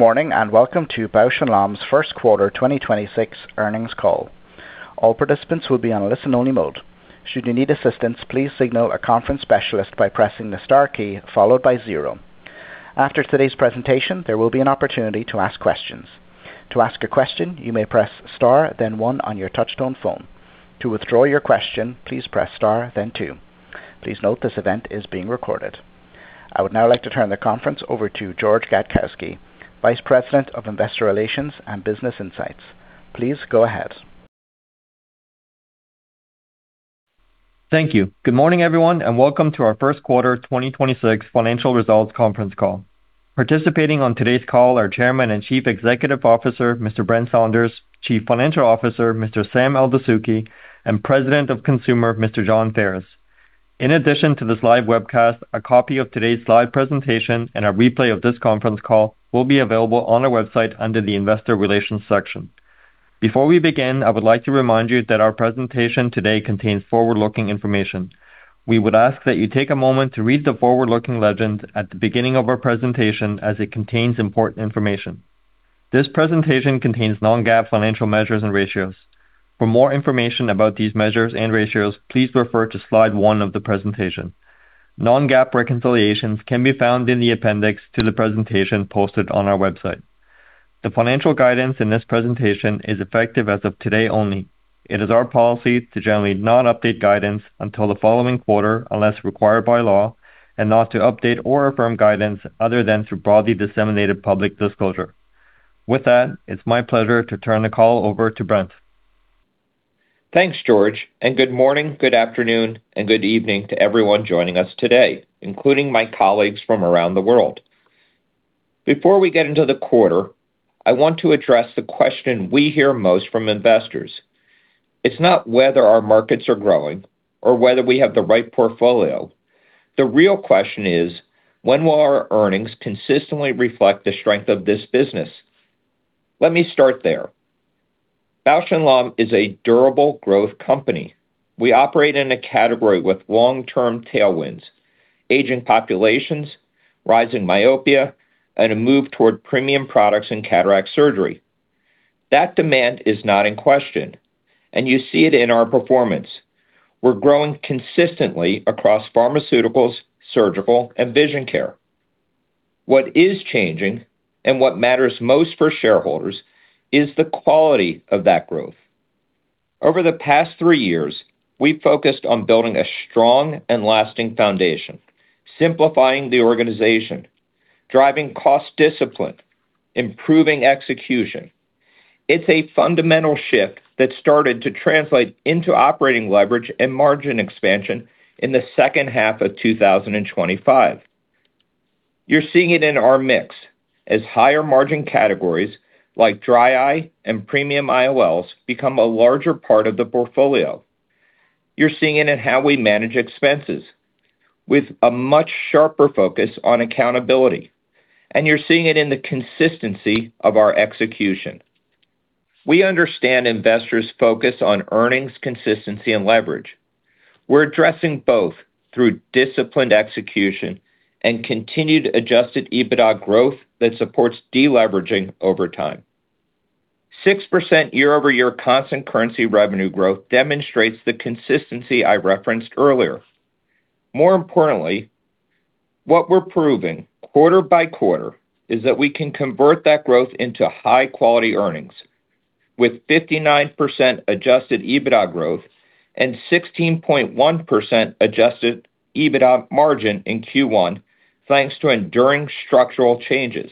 Good morning, and welcome to Bausch + Lomb's first quarter 2026 earnings call. All participants will be in a listen-only mode. Should you need assistance please signal a conference specialist by pressing the star key followed by zero. After today's presentation there will an opportunity to ask questions. To ask a question you may press star then one on your touch-tone phone. To withdraw your question please star then two. Please note this event is being recorded. I would now like to turn the conference over to George Gadkowski, Vice President of Investor Relations and Business Insights. Please go ahead. Thank you. Good morning, everyone, and welcome to our first quarter 2026 financial results conference call. Participating on today's call are Chairman and Chief Executive Officer, Mr. Brent Saunders, Chief Financial Officer, Mr. Sam Eldessouky, and President of Consumer, Mr. John Ferris. In addition to this live webcast, a copy of today's live presentation and a replay of this conference call will be available on our website under the Investor Relations section. Before we begin, I would like to remind you that our presentation today contains forward-looking information. We would ask that you take a moment to read the forward-looking legend at the beginning of our presentation as it contains important information. This presentation contains non-GAAP financial measures and ratios. For more information about these measures and ratios, please refer to slide one of the presentation. Non-GAAP reconciliations can be found in the appendix to the presentation posted on our website. The financial guidance in this presentation is effective as of today only. It is our policy to generally not update guidance until the following quarter unless required by law and not to update or affirm guidance other than through broadly disseminated public disclosure. With that, it's my pleasure to turn the call over to Brent. Thanks, George. Good morning, good afternoon, and good evening to everyone joining us today, including my colleagues from around the world. Before we get into the quarter, I want to address the question we hear most from investors. It's not whether our markets are growing or whether we have the right portfolio. The real question is, when will our earnings consistently reflect the strength of this business? Let me start there. Bausch + Lomb is a durable growth company. We operate in a category with long-term tailwinds, aging populations, rise in myopia, and a move toward premium products and cataract surgery. That demand is not in question. You see it in our performance. We're growing consistently across pharmaceuticals, surgical, and vision care. What is changing, and what matters most for shareholders, is the quality of that growth. Over the past three years, we focused on building a strong and lasting foundation, simplifying the organization, driving cost discipline, improving execution. It's a fundamental shift that started to translate into operating leverage and margin expansion in the second half of 2025. You're seeing it in our mix as higher margin categories like dry eye and premium IOLs become a larger part of the portfolio. You're seeing it in how we manage expenses with a much sharper focus on accountability, and you're seeing it in the consistency of our execution. We understand investors' focus on earnings consistency and leverage. We're addressing both through disciplined execution and continued adjusted EBITDA growth that supports deleveraging over time. 6% year-over-year constant currency revenue growth demonstrates the consistency I referenced earlier. More importantly, what we're proving quarter-by-quarter is that we can convert that growth into high-quality earnings, with 59% adjusted EBITDA growth and 16.1% adjusted EBITDA margin in Q1, thanks to enduring structural changes.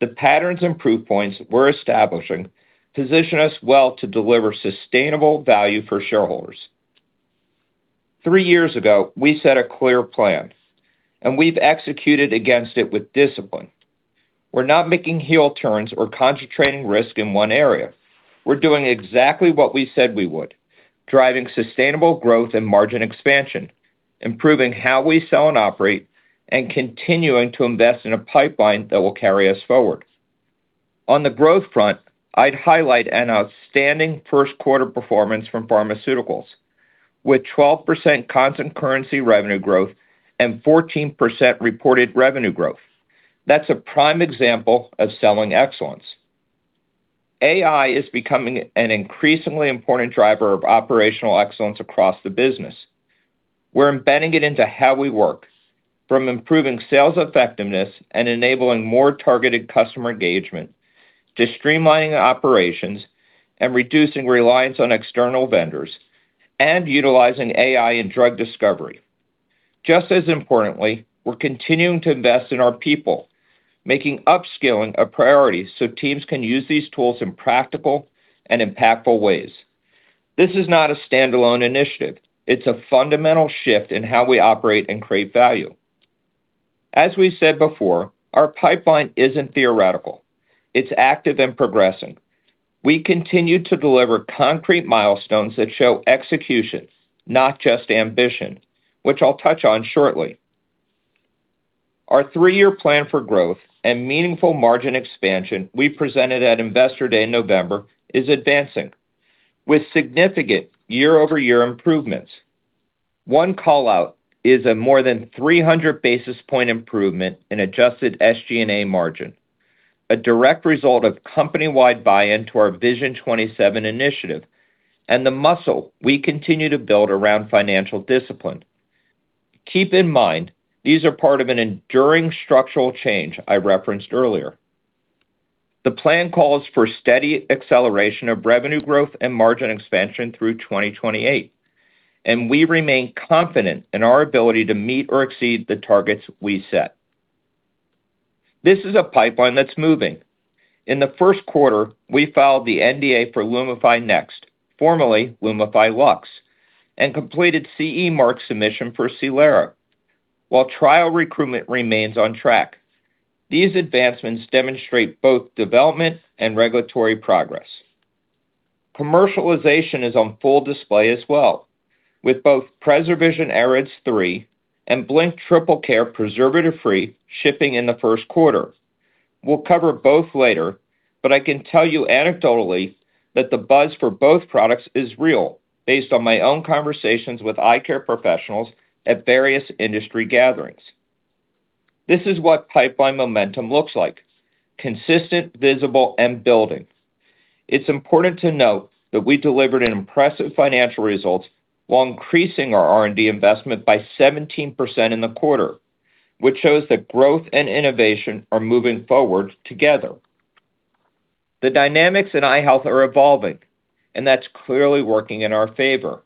The patterns and proof points we're establishing position us well to deliver sustainable value for shareholders. Three years ago, we set a clear plan. We've executed against it with discipline. We're not making heel turns or concentrating risk in one area. We're doing exactly what we said we would. Driving sustainable growth and margin expansion, improving how we sell and operate, and continuing to invest in a pipeline that will carry us forward. On the growth front, I'd highlight an outstanding first quarter performance from pharmaceuticals. With 12% constant currency revenue growth and 14% reported revenue growth. That's a prime example of selling excellence. AI is becoming an increasingly important driver of operational excellence across the business. We're embedding it into how we work, from improving sales effectiveness and enabling more targeted customer engagement to streamlining operations and reducing reliance on external vendors and utilizing AI in drug discovery. Just as importantly, we're continuing to invest in our people, making upskilling a priority so teams can use these tools in practical and impactful ways. This is not a standalone initiative. It's a fundamental shift in how we operate and create value. As we said before, our pipeline isn't theoretical. It's active and progressing. We continue to deliver concrete milestones that show execution, not just ambition, which I'll touch on shortly. Our three-year plan for growth and meaningful margin expansion we presented at Investor Day in November is advancing with significant year-over-year improvements. One call-out is a more than 300 basis point improvement in adjusted SG&A margin. A direct result of company-wide buy-in to our Vision 27 initiative and the muscle we continue to build around financial discipline. Keep in mind, these are part of an enduring structural change I referenced earlier. The plan calls for steady acceleration of revenue growth and margin expansion through 2028. We remain confident in our ability to meet or exceed the targets we set. This is a pipeline that's moving. In the first quarter, we filed the NDA for LUMIFY NXT, formerly LUMIFY Lux, and completed CE mark submission for Silara. While trial recruitment remains on track, these advancements demonstrate both development and regulatory progress. Commercialization is on full display as well, with both PreserVision AREDS 3 and Blink Triple Care Preservative-Free shipping in the first quarter. We'll cover both later, but I can tell you anecdotally that the buzz for both products is real based on my own conversations with eye care professionals at various industry gatherings. This is what pipeline momentum looks like: consistent, visible, and building. It's important to note that we delivered an impressive financial results while increasing our R&D investment by 17% in the quarter, which shows that growth and innovation are moving forward together. The dynamics in eye health are evolving, and that's clearly working in our favor.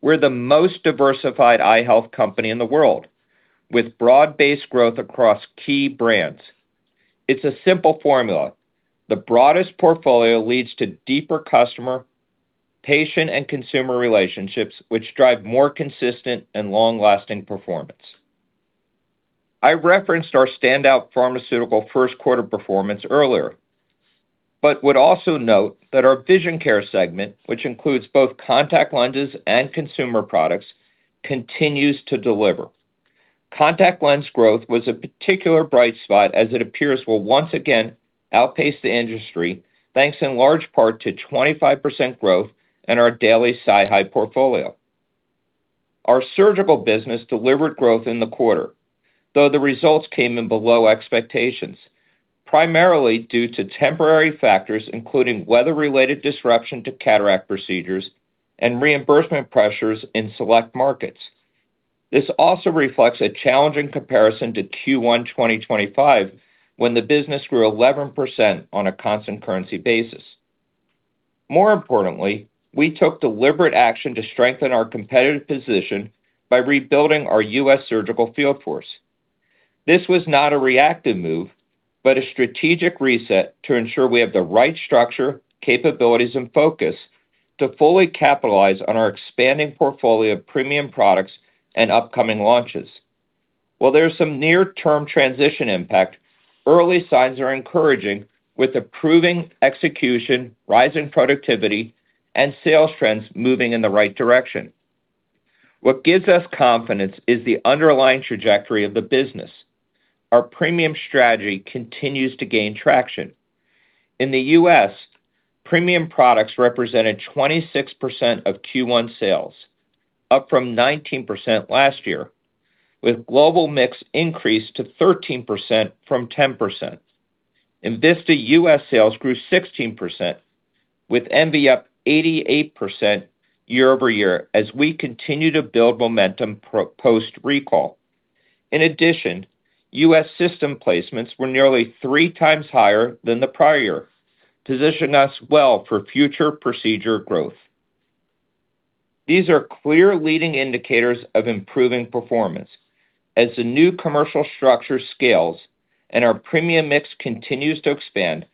We're the most diversified eye health company in the world, with broad-based growth across key brands. It's a simple formula. The broadest portfolio leads to deeper customer, patient, and consumer relationships, which drive more consistent and long-lasting performance. I referenced our standout pharmaceutical first quarter performance earlier, but would also note that our vision care segment, which includes both contact lenses and consumer products, continues to deliver. Contact lens growth was a particular bright spot as it appears we'll once again outpace the industry, thanks in large part to 25% growth in our daily SiHy portfolio. Our surgical business delivered growth in the quarter, though the results came in below expectations, primarily due to temporary factors, including weather-related disruption to cataract procedures and reimbursement pressures in select markets. This also reflects a challenging comparison to Q1 2025, when the business grew 11% on a constant currency basis. More importantly, we took deliberate action to strengthen our competitive position by rebuilding our U.S. surgical field force. This was not a reactive move, but a strategic reset to ensure we have the right structure, capabilities, and focus to fully capitalize on our expanding portfolio of premium products and upcoming launches. While there's some near-term transition impact, early signs are encouraging with improving execution, rise in productivity, and sales trends moving in the right direction. What gives us confidence is the underlying trajectory of the business. Our premium strategy continues to gain traction. In the U.S., premium products represented 26% of Q1 sales, up from 19% last year, with global mix increase to 13% from 10%. enVista U.S. sales grew 16%, with Envy up 88% year-over-year as we continue to build momentum post-recall. In addition, U.S. system placements were nearly three times higher than the prior, positioning us well for future procedure growth. These are clear leading indicators of improving performance. As the new commercial structure scales and our premium mix continues to expand,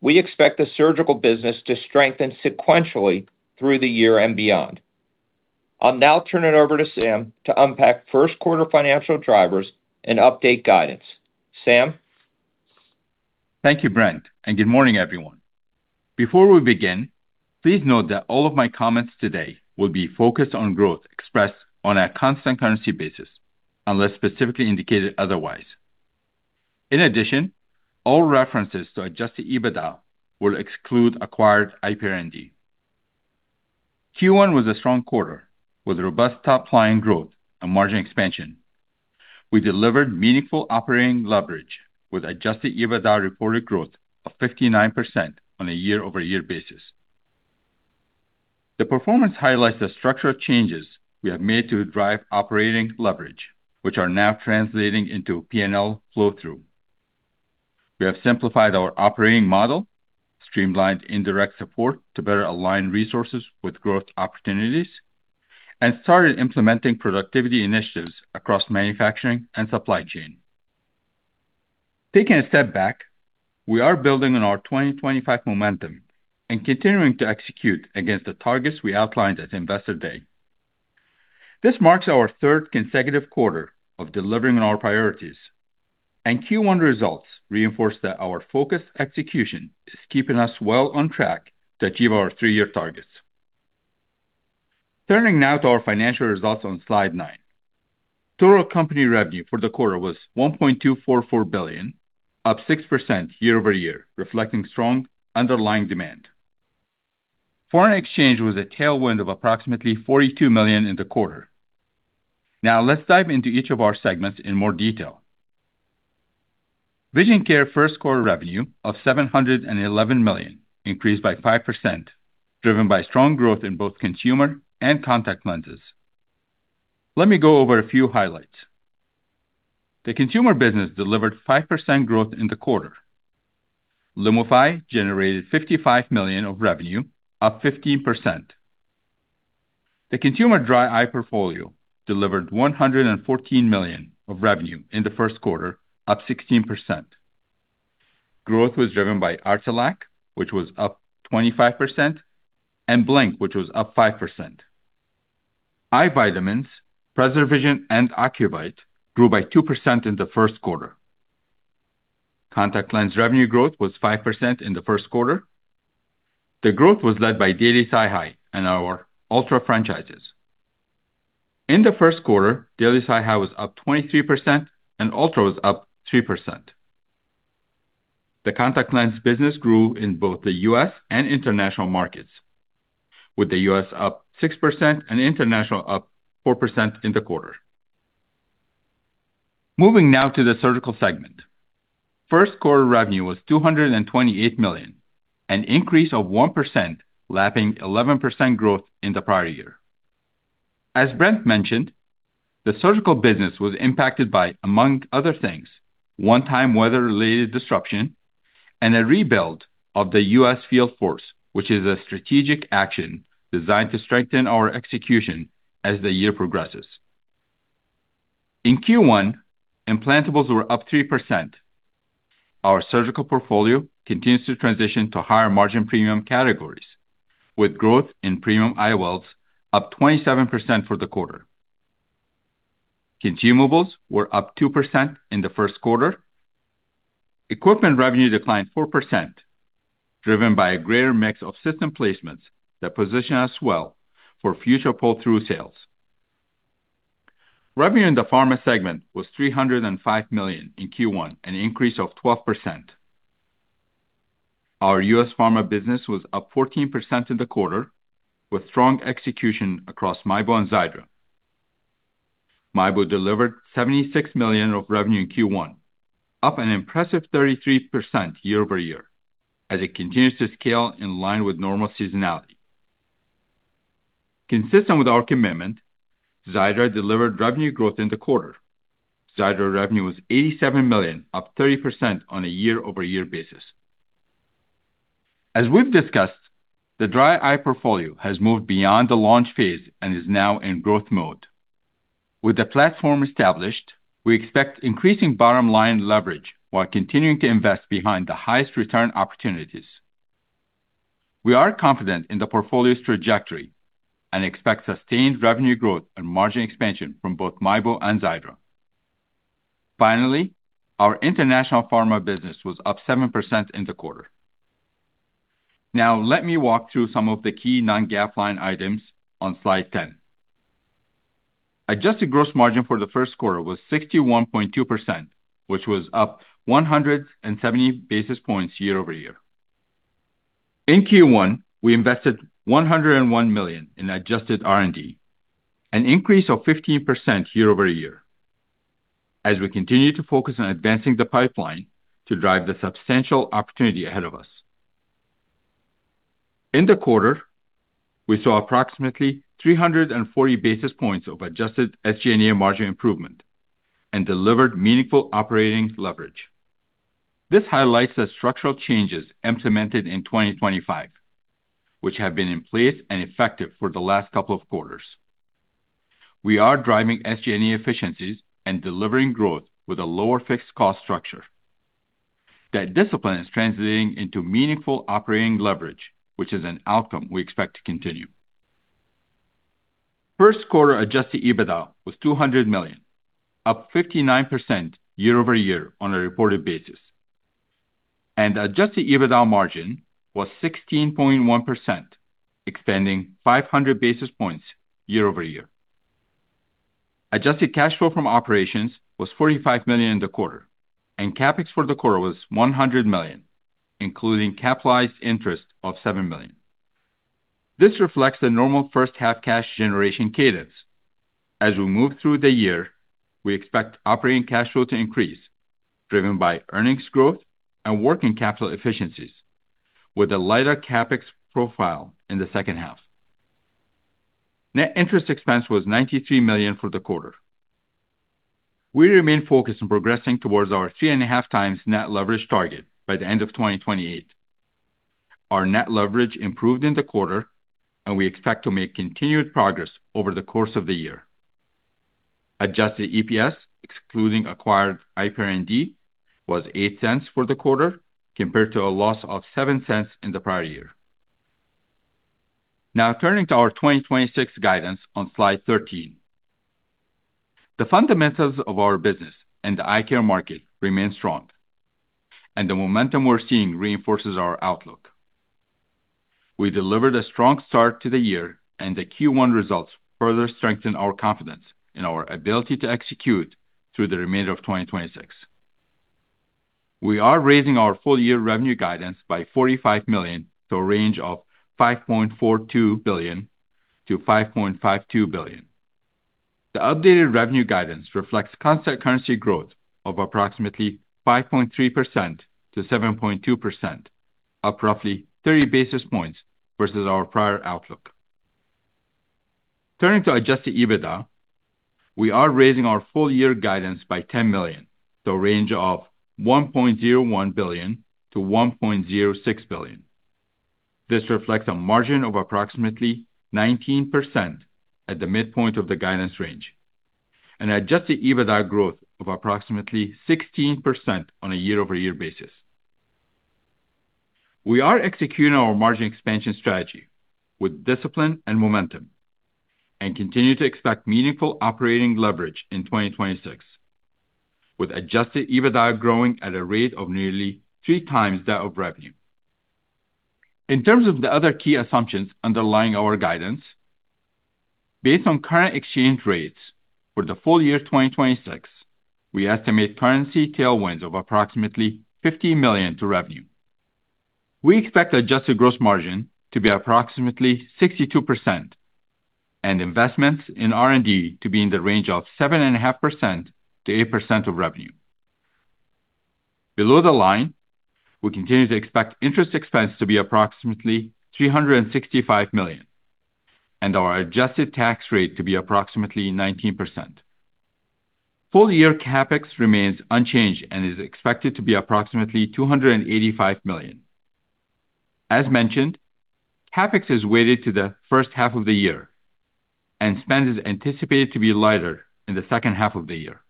we expect the surgical business to strengthen sequentially through the year and beyond. I will now turn it over to Sam to unpack first quarter financial drivers and update guidance. Sam? Thank you, Brent, and good morning, everyone. Before we begin, please note that all of my comments today will be focused on growth expressed on a constant currency basis, unless specifically indicated otherwise. In addition, all references to adjusted EBITDA will exclude acquired IPR&D. Q1 was a strong quarter, with robust top line growth and margin expansion. We delivered meaningful operating leverage with adjusted EBITDA reported growth of 59% on a year-over-year basis. The performance highlights the structural changes we have made to drive operating leverage, which are now translating into P&L flow-through. We have simplified our operating model, streamlined indirect support to better align resources with growth opportunities, and started implementing productivity initiatives across manufacturing and supply chain. Taking a step back, we are building on our 2025 momentum and continuing to execute against the targets we outlined at Investor Day. This marks our third consecutive quarter of delivering on our priorities. Q1 results reinforce that our focused execution is keeping us well on track to achieve our three-year targets. Turning now to our financial results on slide nine. Total company revenue for the quarter was $1.244 billion, up 6% year-over-year, reflecting strong underlying demand. Foreign exchange was a tailwind of approximately $42 million in the quarter. Let's dive into each of our segments in more detail. Vision Care first quarter revenue of $711 million increased by 5%, driven by strong growth in both consumer and contact lenses. Let me go over a few highlights. The consumer business delivered 5% growth in the quarter. LUMIFY generated $55 million of revenue, up 15%. The consumer dry eye portfolio delivered $114 million of revenue in the first quarter, up 16%. Growth was driven by Artelac, which was up 25%, and Blink, which was up 5%. Eye vitamins, PreserVision and Ocuvite, grew by 2% in the first quarter. Contact lens revenue growth was 5% in the first quarter. The growth was led by daily SiHy and our ULTRA franchises. In the first quarter, daily SiHy was up 23% and ULTRA was up 3%. The contact lens business grew in both the U.S. and international markets, with the U.S. up 6% and international up 4% in the quarter. Moving now to the Surgical segment. First quarter revenue was $228 million, an increase of 1%, lapping 11% growth in the prior year. As Brent mentioned, the surgical business was impacted by, among other things, one-time weather-related disruption and a rebuild of the U.S. field force, which is a strategic action designed to strengthen our execution as the year progresses. In Q1, implantables were up 3%. Our surgical portfolio continues to transition to higher margin premium categories, with growth in premium IOLs up 27% for the quarter. Consumables were up 2% in the first quarter. Equipment revenue declined 4%, driven by a greater mix of system placements that position us well for future pull-through sales. Revenue in the Pharma segment was $305 million in Q1, an increase of 12%. Our U.S. Pharma business was up 14% in the quarter, with strong execution across MIEBO and Xiidra. MIEBO delivered $76 million of revenue in Q1, up an impressive 33% year-over-year, as it continues to scale in line with normal seasonality. Consistent with our commitment, Xiidra delivered revenue growth in the quarter. Xiidra revenue was $87 million, up 30% on a year-over-year basis. As we've discussed, the dry eye portfolio has moved beyond the launch phase and is now in growth mode. With the platform established, we expect increasing bottom line leverage while continuing to invest behind the highest return opportunities. We are confident in the portfolio's trajectory and expect sustained revenue growth and margin expansion from both MIEBO and Xiidra. Our international pharma business was up 7% in the quarter. Let me walk through some of the key non-GAAP line items on slide 10. Adjusted gross margin for the first quarter was 61.2%, which was up 170 basis points year-over-year. In Q1, we invested $101 million in adjusted R&D, an increase of 15% year-over-year, as we continue to focus on advancing the pipeline to drive the substantial opportunity ahead of us. In the quarter, we saw approximately 340 basis points of adjusted SG&A margin improvement and delivered meaningful operating leverage. This highlights the structural changes implemented in 2025, which have been in place and effective for the last couple of quarters. We are driving SG&A efficiencies and delivering growth with a lower fixed cost structure. That discipline is translating into meaningful operating leverage, which is an outcome we expect to continue. First quarter adjusted EBITDA was $200 million, up 59% year-over-year on a reported basis. Adjusted EBITDA margin was 16.1%, expanding 500 basis points year-over-year. Adjusted cash flow from operations was $45 million in the quarter, and CapEx for the quarter was $100 million, including capitalized interest of $7 million. This reflects the normal first half cash generation cadence. As we move through the year, we expect operating cash flow to increase, driven by earnings growth and working capital efficiencies with a lighter CapEx profile in the second half. Net interest expense was $93 million for the quarter. We remain focused on progressing towards our 3.5x net leverage target by the end of 2028. Our net leverage improved in the quarter, and we expect to make continued progress over the course of the year. Adjusted EPS, excluding acquired IPR&D, was $0.08 for the quarter, compared to a loss of $0.07 in the prior year. Turning to our 2026 guidance on slide 13. The fundamentals of our business and the eye care market remain strong, and the momentum we're seeing reinforces our outlook. We delivered a strong start to the year, and the Q1 results further strengthen our confidence in our ability to execute through the remainder of 2026. We are raising our full-year revenue guidance by $45 million to a range of $5.42 billion-$5.52 billion. The updated revenue guidance reflects constant currency growth of approximately 5.3%-7.2%, up roughly 30 basis points versus our prior outlook. Turning to adjusted EBITDA, we are raising our full-year guidance by $10 million to a range of $1.01 billion-$1.06 billion. This reflects a margin of approximately 19% at the midpoint of the guidance range, and adjusted EBITDA growth of approximately 16% on a year-over-year basis. We are executing our margin expansion strategy with discipline and momentum, and continue to expect meaningful operating leverage in 2026, with adjusted EBITDA growing at a rate of nearly 3x that of revenue. In terms of the other key assumptions underlying our guidance, based on current exchange rates for the full year 2026, we estimate currency tailwinds of approximately $50 million to revenue. We expect adjusted gross margin to be approximately 62% and investments in R&D to be in the range of 7.5%-8% of revenue. Below the line, we continue to expect interest expense to be approximately $365 million and our adjusted tax rate to be approximately 19%. Full-year CapEx remains unchanged and is expected to be approximately $285 million. As mentioned, CapEx is weighted to the first half of the year, and spend is anticipated to be lighter in the second half of the year.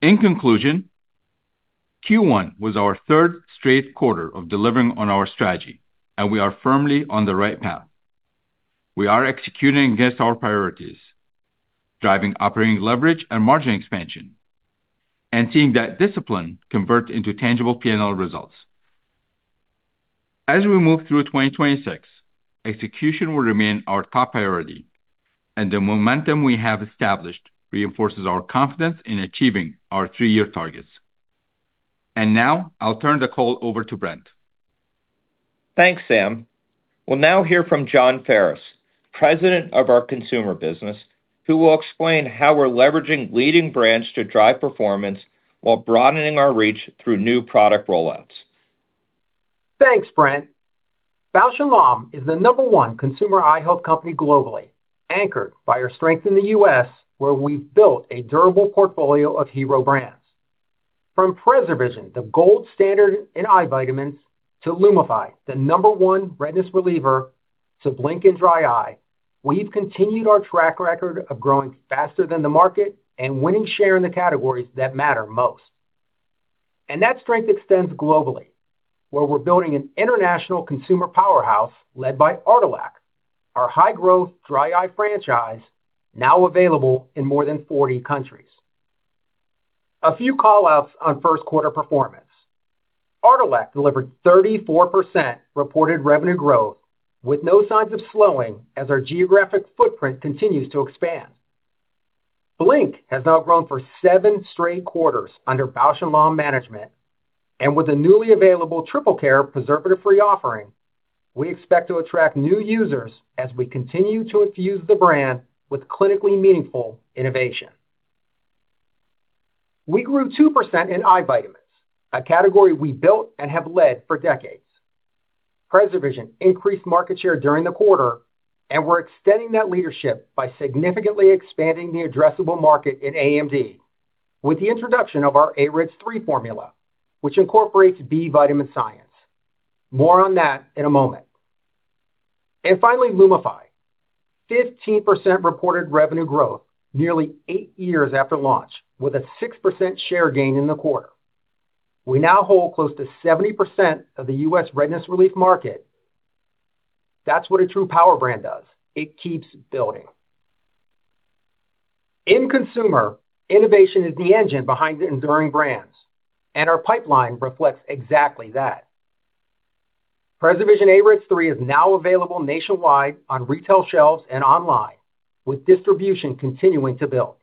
In conclusion, Q1 was our third straight quarter of delivering on our strategy, and we are firmly on the right path. We are executing against our priorities, driving operating leverage and margin expansion, and seeing that discipline convert into tangible P&L results. As we move through 2026, execution will remain our top priority, and the momentum we have established reinforces our confidence in achieving our three-year targets. Now, I'll turn the call over to Brent. Thanks, Sam. We'll now hear from John Ferris, President of our Consumer Business, who will explain how we're leveraging leading brands to drive performance while broadening our reach through new product rollouts. Thanks, Brent. Bausch + Lomb is the number one consumer eye health company globally, anchored by our strength in the U.S., where we've built a durable portfolio of hero brands. From PreserVision, the gold standard in eye vitamins, to LUMIFY, the number one redness reliever, to Blink in dry eye, we've continued our track record of growing faster than the market and winning share in the categories that matter most. That strength extends globally, where we're building an international consumer powerhouse led by Artelac, our high-growth dry eye franchise now available in more than 40 countries. A few call-outs on first quarter performance. Artelac delivered 34% reported revenue growth with no signs of slowing as our geographic footprint continues to expand. Blink has now grown for seven straight quarters under Bausch + Lomb management, and with a newly available Triple Care Preservative-Free offering, we expect to attract new users as we continue to infuse the brand with clinically meaningful innovation. We grew 2% in eye vitamins, a category we built and have led for decades. PreserVision increased market share during the quarter, and we're extending that leadership by significantly expanding the addressable market in AMD with the introduction of our AREDS 3 formula, which incorporates B vitamin science. More on that in a moment. Finally, LUMIFY. 15% reported revenue growth nearly eight years after launch, with a 6% share gain in the quarter. We now hold close to 70% of the U.S. redness relief market. That's what a true power brand does. It keeps building. In consumer, innovation is the engine behind enduring brands, and our pipeline reflects exactly that. PreserVision AREDS 3 is now available nationwide on retail shelves and online, with distribution continuing to build.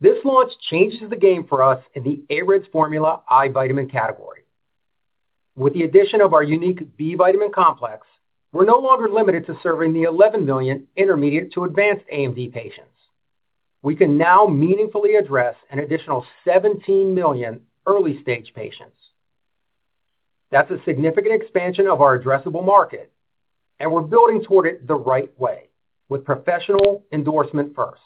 This launch changes the game for us in the AREDS formula eye vitamin category. With the addition of our unique B vitamin complex, we're no longer limited to serving the 11 million intermediate to advanced AMD patients. We can now meaningfully address an additional 17 million early-stage patients. That's a significant expansion of our addressable market, and we're building toward it the right way, with professional endorsement first.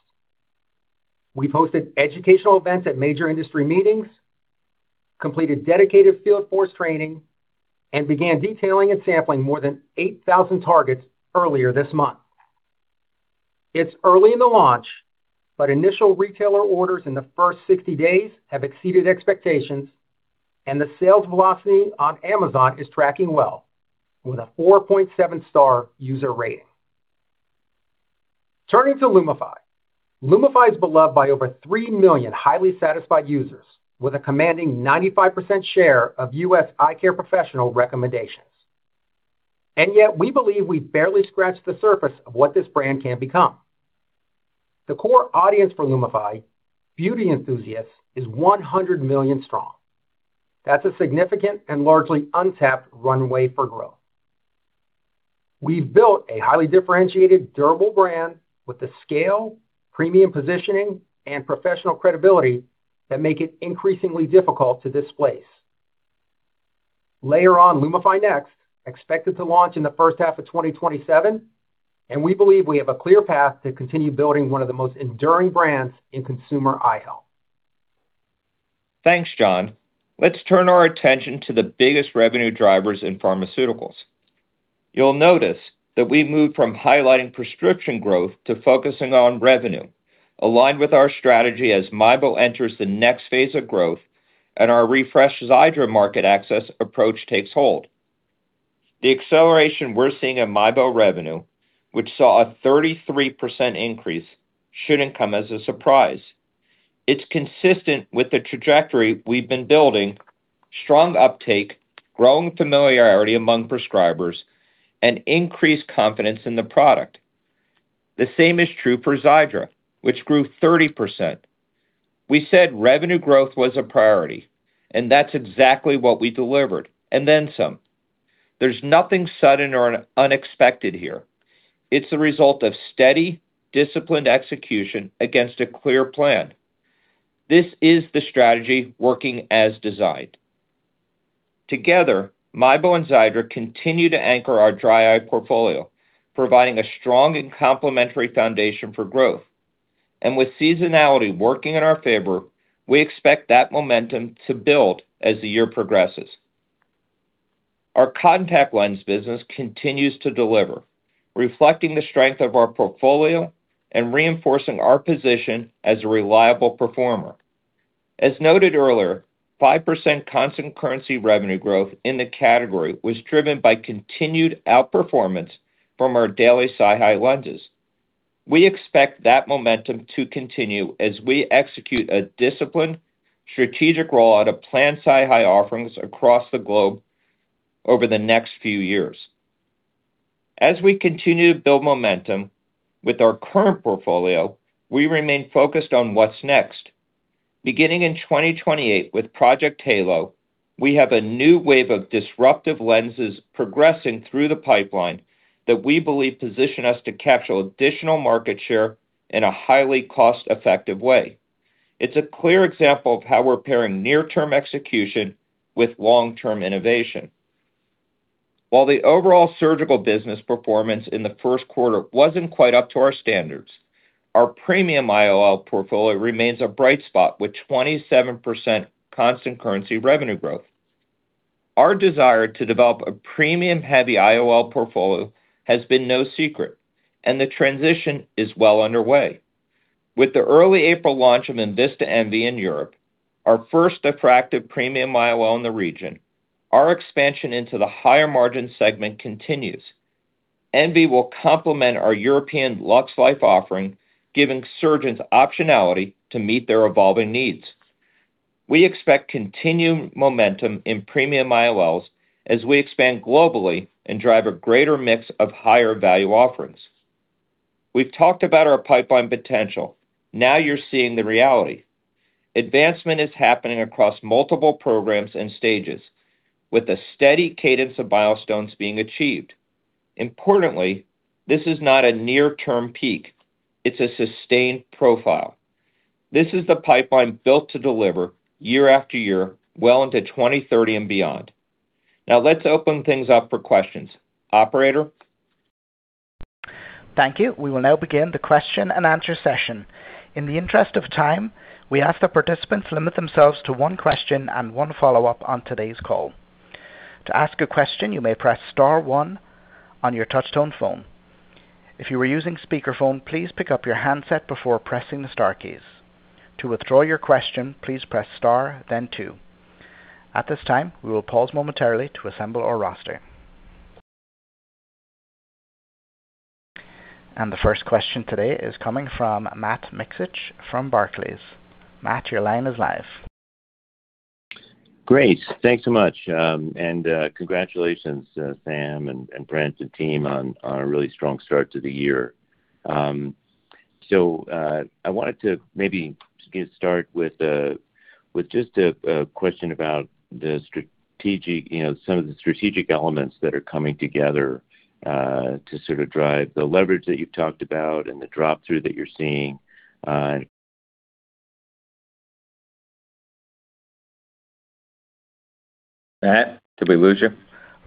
We've hosted educational events at major industry meetings, completed dedicated field force training, and began detailing and sampling more than 8,000 targets earlier this month. It's early in the launch, but initial retailer orders in the first 60 days have exceeded expectations, and the sales velocity on Amazon is tracking well, with a 4.7-star user rating. Turning to LUMIFY. LUMIFY is beloved by over 3 million highly satisfied users, with a commanding 95% share of U.S. eye care professional recommendations. Yet we believe we've barely scratched the surface of what this brand can become. The core audience for LUMIFY, beauty enthusiasts, is 100 million strong. That's a significant and largely untapped runway for growth. We've built a highly differentiated, durable brand with the scale, premium positioning, and professional credibility that make it increasingly difficult to displace. Layer on LUMIFY NXT, expected to launch in the first half of 2027, we believe we have a clear path to continue building one of the most enduring brands in consumer eye health. Thanks, John. Let's turn our attention to the biggest revenue drivers in pharmaceuticals. You'll notice that we moved from highlighting prescription growth to focusing on revenue, aligned with our strategy as MIEBO enters the next phase of growth and our refreshed Xiidra market access approach takes hold. The acceleration we're seeing in MIEBO revenue, which saw a 33% increase, shouldn't come as a surprise. It's consistent with the trajectory we've been building, strong uptake, growing familiarity among prescribers, and increased confidence in the product. The same is true for Xiidra, which grew 30%. We said revenue growth was a priority, and that's exactly what we delivered, and then some. There's nothing sudden or unexpected here. It's the result of steady, disciplined execution against a clear plan. This is the strategy working as designed. Together, MIEBO and Xiidra continue to anchor our dry eye portfolio, providing a strong and complementary foundation for growth. With seasonality working in our favor, we expect that momentum to build as the year progresses. Our contact lens business continues to deliver, reflecting the strength of our portfolio and reinforcing our position as a reliable performer. As noted earlier, 5% constant currency revenue growth in the category was driven by continued outperformance from our daily SiHy lenses. We expect that momentum to continue as we execute a disciplined, strategic rollout of planned SiHy offerings across the globe over the next few years. As we continue to build momentum with our current portfolio, we remain focused on what's next. Beginning in 2028 with Project Halo, we have a new wave of disruptive lenses progressing through the pipeline that we believe position us to capture additional market share in a highly cost-effective way. It's a clear example of how we're pairing near-term execution with long-term innovation. While the overall surgical business performance in the first quarter wasn't quite up to our standards, our premium IOL portfolio remains a bright spot with 27% constant currency revenue growth. Our desire to develop a premium-heavy IOL portfolio has been no secret, and the transition is well underway. With the early April launch of enVista Envy in Europe, our first diffractive premium IOL in the region, our expansion into the higher-margin segment continues. Envy will complement our European LuxLife offering, giving surgeons optionality to meet their evolving needs. We expect continued momentum in premium IOLs as we expand globally and drive a greater mix of higher-value offerings. We've talked about our pipeline potential. Now you're seeing the reality. Advancement is happening across multiple programs and stages, with a steady cadence of milestones being achieved. Importantly, this is not a near-term peak. It's a sustained profile. This is the pipeline built to deliver year after year, well into 2030 and beyond. Now let's open things up for questions. Operator? Thank you. We will now begin the question and answer session. In the interest of time, we ask that participants limit themselves to one question and one follow-up on today's call. To ask a question, you may press star one on your touch-tone phone. If you are using speakerphone, please pick up your handset before pressing the star keys. To withdraw your question, please press star, then two. At this time, we will pause momentarily to assemble our roster. The first question today is coming from Matt Miksic from Barclays. Matt, your line is live. Great. Thanks so much. Congratulations, Sam and Brent and team on a really strong start to the year. I wanted to maybe get start with just a question about the strategic, you know, some of the strategic elements that are coming together to sort of drive the leverage that you've talked about and the drop-through that you're seeing. Matt, did we lose you?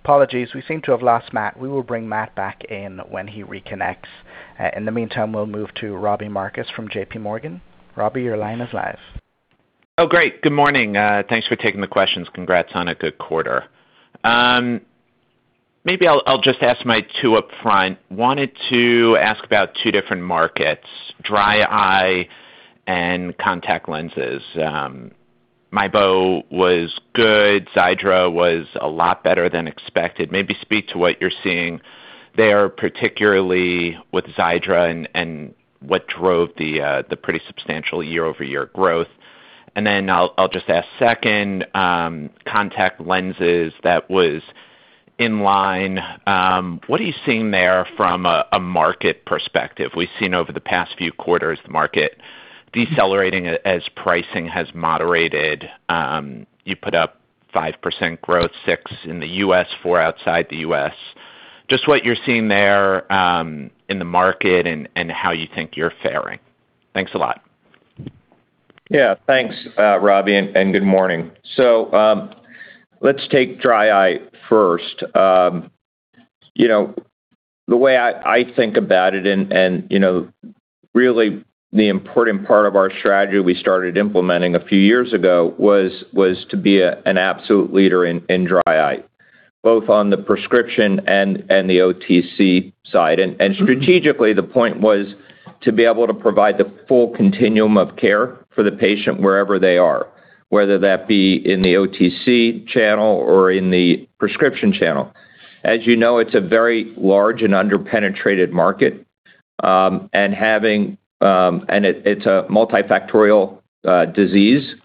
Apologies. We seem to have lost Matt. We will bring Matt back in when he reconnects. In the meantime, we'll move to Robbie Marcus from JPMorgan. Robbie, your line is live. Great. Good morning. Thanks for taking the questions. Congrats on a good quarter. Maybe I'll just ask my two up front. Wanted to ask about two different markets, dry eye and contact lenses. MIEBO was good. Xiidra was a lot better than expected. Maybe speak to what you're seeing there, particularly with Xiidra and what drove the pretty substantial year-over-year growth. I'll just ask second, contact lenses that was in line. What are you seeing there from a market perspective? We've seen over the past few quarters the market decelerating as pricing has moderated. You put up 5% growth, 6% in the U.S., 4% outside the U.S. Just what you're seeing there in the market and how you think you're faring. Thanks a lot. Thanks, Robbie, and good morning. Let's take dry eye first. You know, the way I think about it and, you know, really the important part of our strategy we started implementing a few years ago was to be an absolute leader in dry eye, both on the prescription and the OTC side. Strategically, the point was to be able to provide the full continuum of care for the patient wherever they are, whether that be in the OTC channel or in the prescription channel. As you know, it's a very large and under-penetrated market, and it's a multifactorial disease.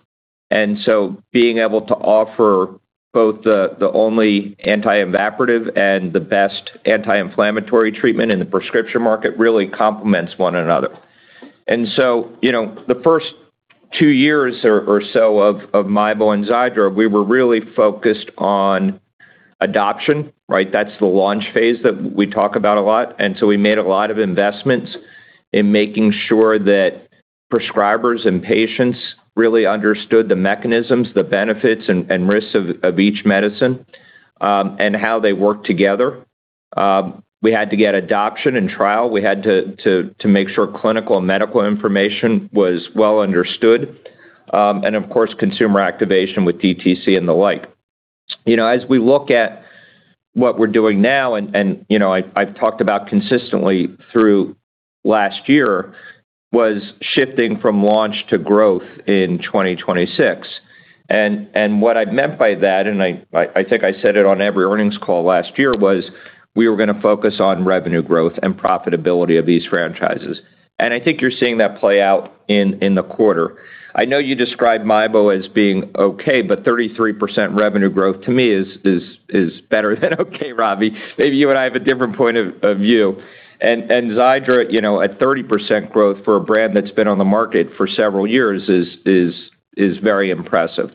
Being able to offer both the only anti-evaporative and the best anti-inflammatory treatment in the prescription market really complements one another. You know, the first two years or so of MIEBO and Xiidra, we were really focused on adoption, right? That's the launch phase that we talk about a lot. We made a lot of investments in making sure that prescribers and patients really understood the mechanisms, the benefits and risks of each medicine, and how they work together. We had to get adoption and trial. We had to make sure clinical and medical information was well understood. And of course, consumer activation with DTC and the like. You know, as we look at what we're doing now, and you know, I've talked about consistently through last year, was shifting from launch to growth in 2026. What I meant by that, I think I said it on every earnings call last year, was we were going to focus on revenue growth and profitability of these franchises. I think you're seeing that play out in the quarter. I know you described MIEBO as being okay, 33% revenue growth to me is better than okay, Robbie. Maybe you and I have a different point of view. Xiidra, you know, at 30% growth for a brand that's been on the market for several years is very impressive.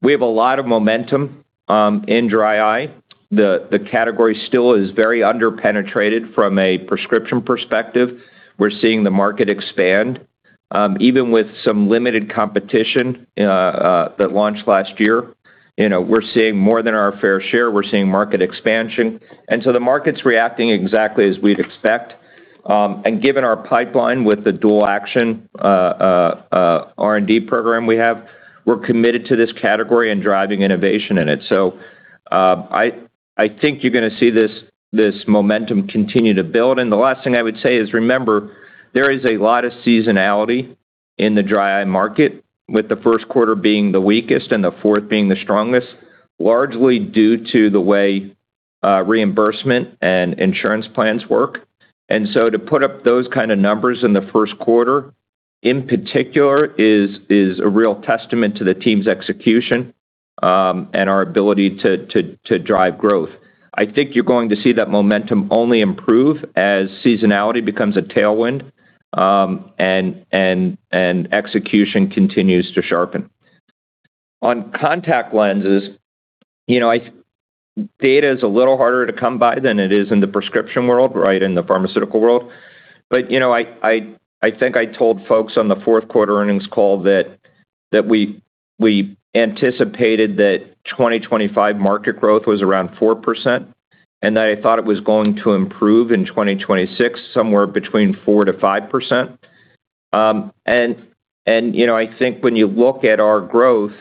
We have a lot of momentum in dry eye. The category still is very under-penetrated from a prescription perspective. We're seeing the market expand. Even with some limited competition that launched last year. You know, we're seeing more than our fair share. We're seeing market expansion. The market's reacting exactly as we'd expect. Given our pipeline with the dual action R&D program we have, we're committed to this category and driving innovation in it. I think you're gonna see this momentum continue to build. The last thing I would say is remember, there is a lot of seasonality in the dry eye market, with the first quarter being the weakest and the fourth being the strongest, largely due to the way reimbursement and insurance plans work. To put up those kind of numbers in the first quarter, in particular, is a real testament to the team's execution and our ability to drive growth. I think you're going to see that momentum only improve as seasonality becomes a tailwind, and execution continues to sharpen. On contact lenses, you know, data is a little harder to come by than it is in the prescription world, right, in the pharmaceutical world. You know, I think I told folks on the fourth quarter earnings call that we anticipated that 2025 market growth was around 4%, and that I thought it was going to improve in 2026 somewhere between 4%-5%. You know, I think when you look at our growth,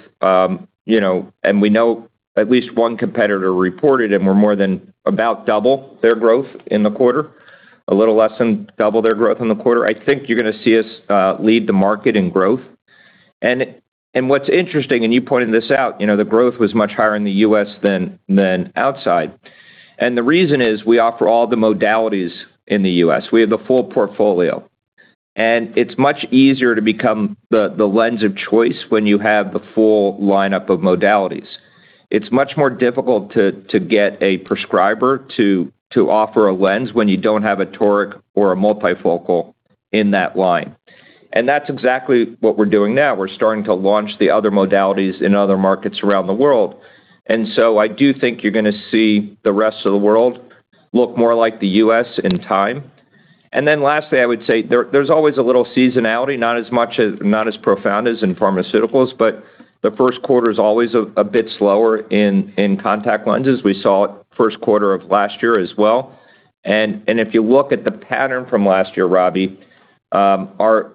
you know, and we know at least one competitor reported, and we're more than about double their growth in the quarter, a little less than double their growth in the quarter. I think you're gonna see us lead the market in growth. What's interesting, and you pointed this out, you know, the growth was much higher in the U.S. than outside. The reason is we offer all the modalities in the U.S. We have the full portfolio. It's much easier to become the lens of choice when you have the full lineup of modalities. It's much more difficult to get a prescriber to offer a lens when you don't have a toric or a multifocal in that line. That's exactly what we're doing now. We're starting to launch the other modalities in other markets around the world. I do think you're gonna see the rest of the world look more like the U.S. in time. Lastly, I would say there's always a little seasonality, not as profound as in pharmaceuticals, but the first quarter is always a bit slower in contact lenses. We saw it first quarter of last year as well. If you look at the pattern from last year, Robbie, our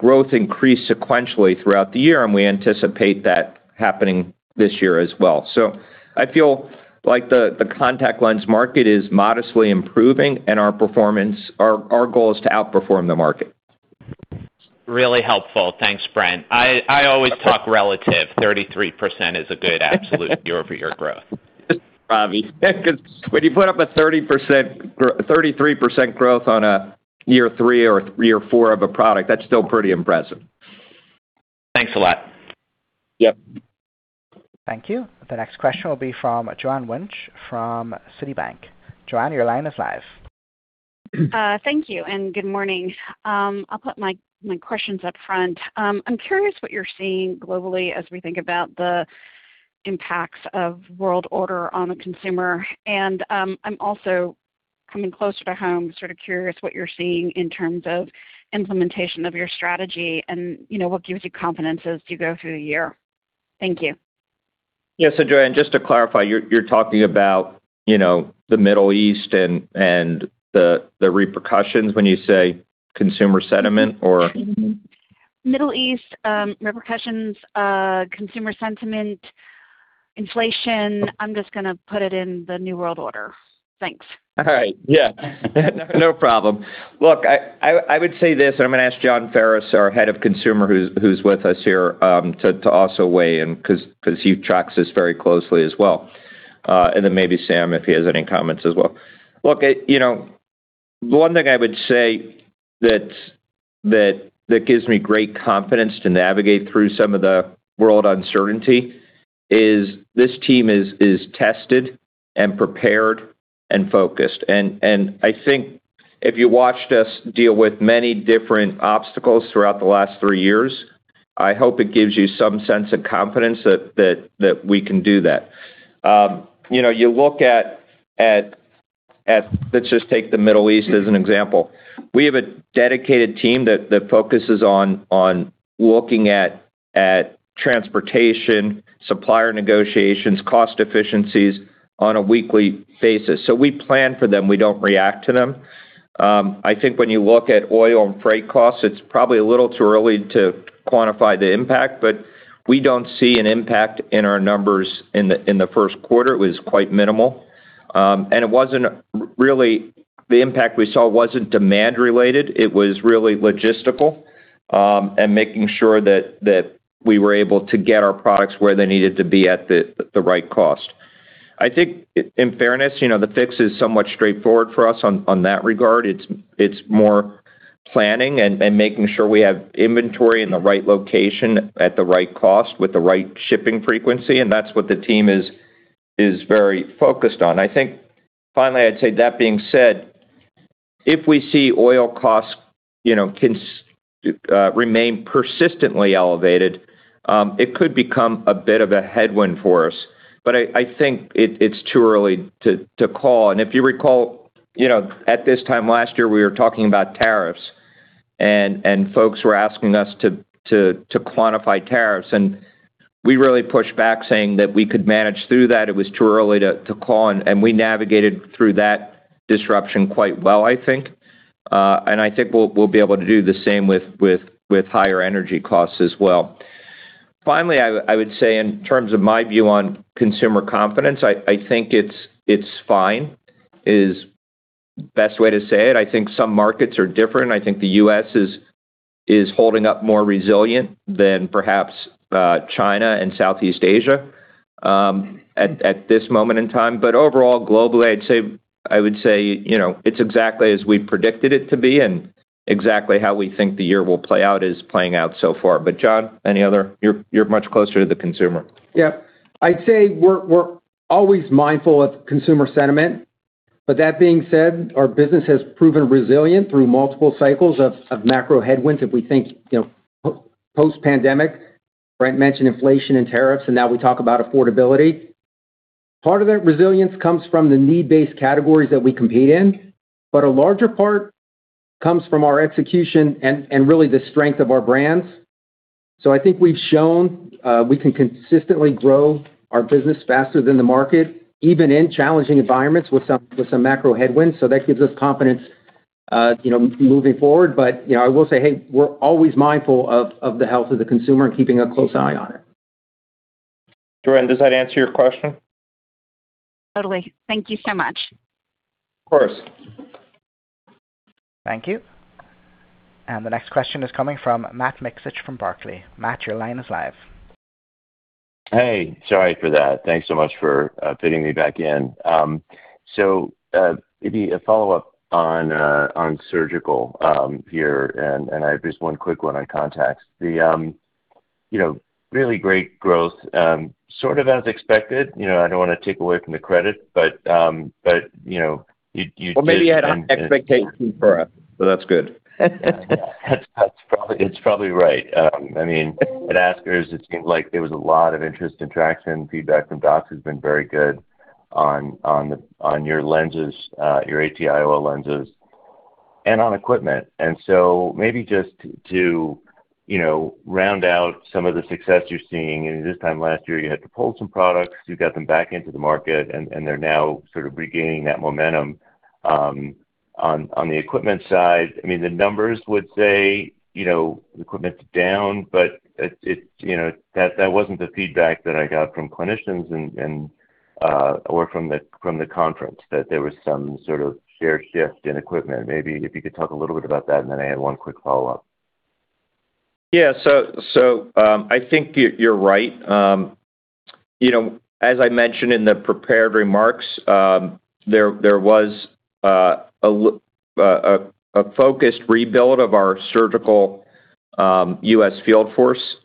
growth increased sequentially throughout the year, and we anticipate that happening this year as well. I feel like the contact lens market is modestly improving and our goal is to outperform the market. Really helpful. Thanks, Brent. I always talk relative. 33% is a good absolute year-over-year growth. Cause when you put up a 30% 33% growth on a year three or year four of a product, that's still pretty impressive. Thanks a lot. Yep. Thank you. The next question will be from Joanne Wuensch from Citibank. Joanne, your line is live. Thank you, and good morning. I'll put my questions up front. I'm curious what you're seeing globally as we think about the impacts of world order on the consumer. I'm also coming closer to home, sort of curious what you're seeing in terms of implementation of your strategy and, you know, what gives you confidence as you go through the year. Thank you. Yes. Joanne, just to clarify, you're talking about, you know, the Middle East and the repercussions when you say consumer sentiment? Middle East, repercussions, consumer sentiment, inflation. I'm just gonna put it in the new world order. Thanks. All right. Yeah. No problem. Look, I would say this, I'm gonna ask John Ferris, our Head of Consumer, who's with us here, to also weigh in 'cause he tracks this very closely as well. Then maybe Sam, if he has any comments as well. Look, you know, one thing I would say that gives me great confidence to navigate through some of the world uncertainty is this team is tested and prepared and focused. I think if you watched us deal with many different obstacles throughout the last three years, I hope it gives you some sense of confidence that we can do that. You know, you look at, let's just take the Middle East as an example. We have a dedicated team that focuses on looking at transportation, supplier negotiations, cost efficiencies on a weekly basis. We plan for them. We don't react to them. I think when you look at oil and freight costs, it's probably a little too early to quantify the impact, but we don't see an impact in our numbers in the first quarter. It was quite minimal. It wasn't really the impact we saw wasn't demand related. It was really logistical, and making sure that we were able to get our products where they needed to be at the right cost. I think in fairness, you know, the fix is somewhat straightforward for us on that regard. It's more planning and making sure we have inventory in the right location at the right cost with the right shipping frequency, and that's what the team is very focused on. I think finally, I'd say that being said, if we see oil costs, you know, remain persistently elevated, it could become a bit of a headwind for us. I think it's too early to call. If you recall, you know, at this time last year we were talking about tariffs and folks were asking us to quantify tariffs, we really pushed back saying that we could manage through that. It was too early to call. We navigated through that disruption quite well, I think. I think we'll be able to do the same with higher energy costs as well. Finally, I would say in terms of my view on consumer confidence, I think it's fine, is best way to say it. I think some markets are different. I think the U.S. is holding up more resilient than perhaps China and Southeast Asia at this moment in time. Overall, globally, I would say, you know, it's exactly as we predicted it to be and exactly how we think the year will play out is playing out so far. John, any other. You're much closer to the consumer. Yeah. I'd say we're always mindful of consumer sentiment. That being said, our business has proven resilient through multiple cycles of macro headwinds if we think, you know, post-pandemic. Brent mentioned inflation and tariffs. Now we talk about affordability. Part of that resilience comes from the need-based categories that we compete in. A larger part comes from our execution and really the strength of our brands. I think we've shown we can consistently grow our business faster than the market, even in challenging environments with some macro headwinds. That gives us confidence, you know, moving forward. You know, I will say, hey, we're always mindful of the health of the consumer and keeping a close eye on it. Joanne, does that answer your question? Totally. Thank you so much. Of course. Thank you. The next question is coming from Matt Miksic from Barclays. Matt, your line is live. Hey, sorry for that. Thanks so much for fitting me back in. Maybe a follow-up on surgical here, and I have just one quick one on contacts. The, you know, really great growth, sort of as expected. You know, I don't wanna take away from the credit. Well, maybe you had high expectation for us, so that's good. Yeah. It's probably right. I mean, at ASCRS, it seemed like there was a lot of interest and traction. Feedback from docs has been very good on your lenses, your AT IOLs and on equipment. Maybe just to, you know, round out some of the success you're seeing. This time last year, you had to pull some products. You got them back into the market, and they're now sort of regaining that momentum. On the equipment side, I mean, the numbers would say, you know, the equipment's down, but it, you know, that wasn't the feedback that I got from clinicians and, or from the conference, that there was some sort of shared shift in equipment. Maybe if you could talk a little bit about that, and then I had one quick follow-up. Yeah. I think you're right. You know, as I mentioned in the prepared remarks, there was a focused rebuild of our surgical U.S. field force,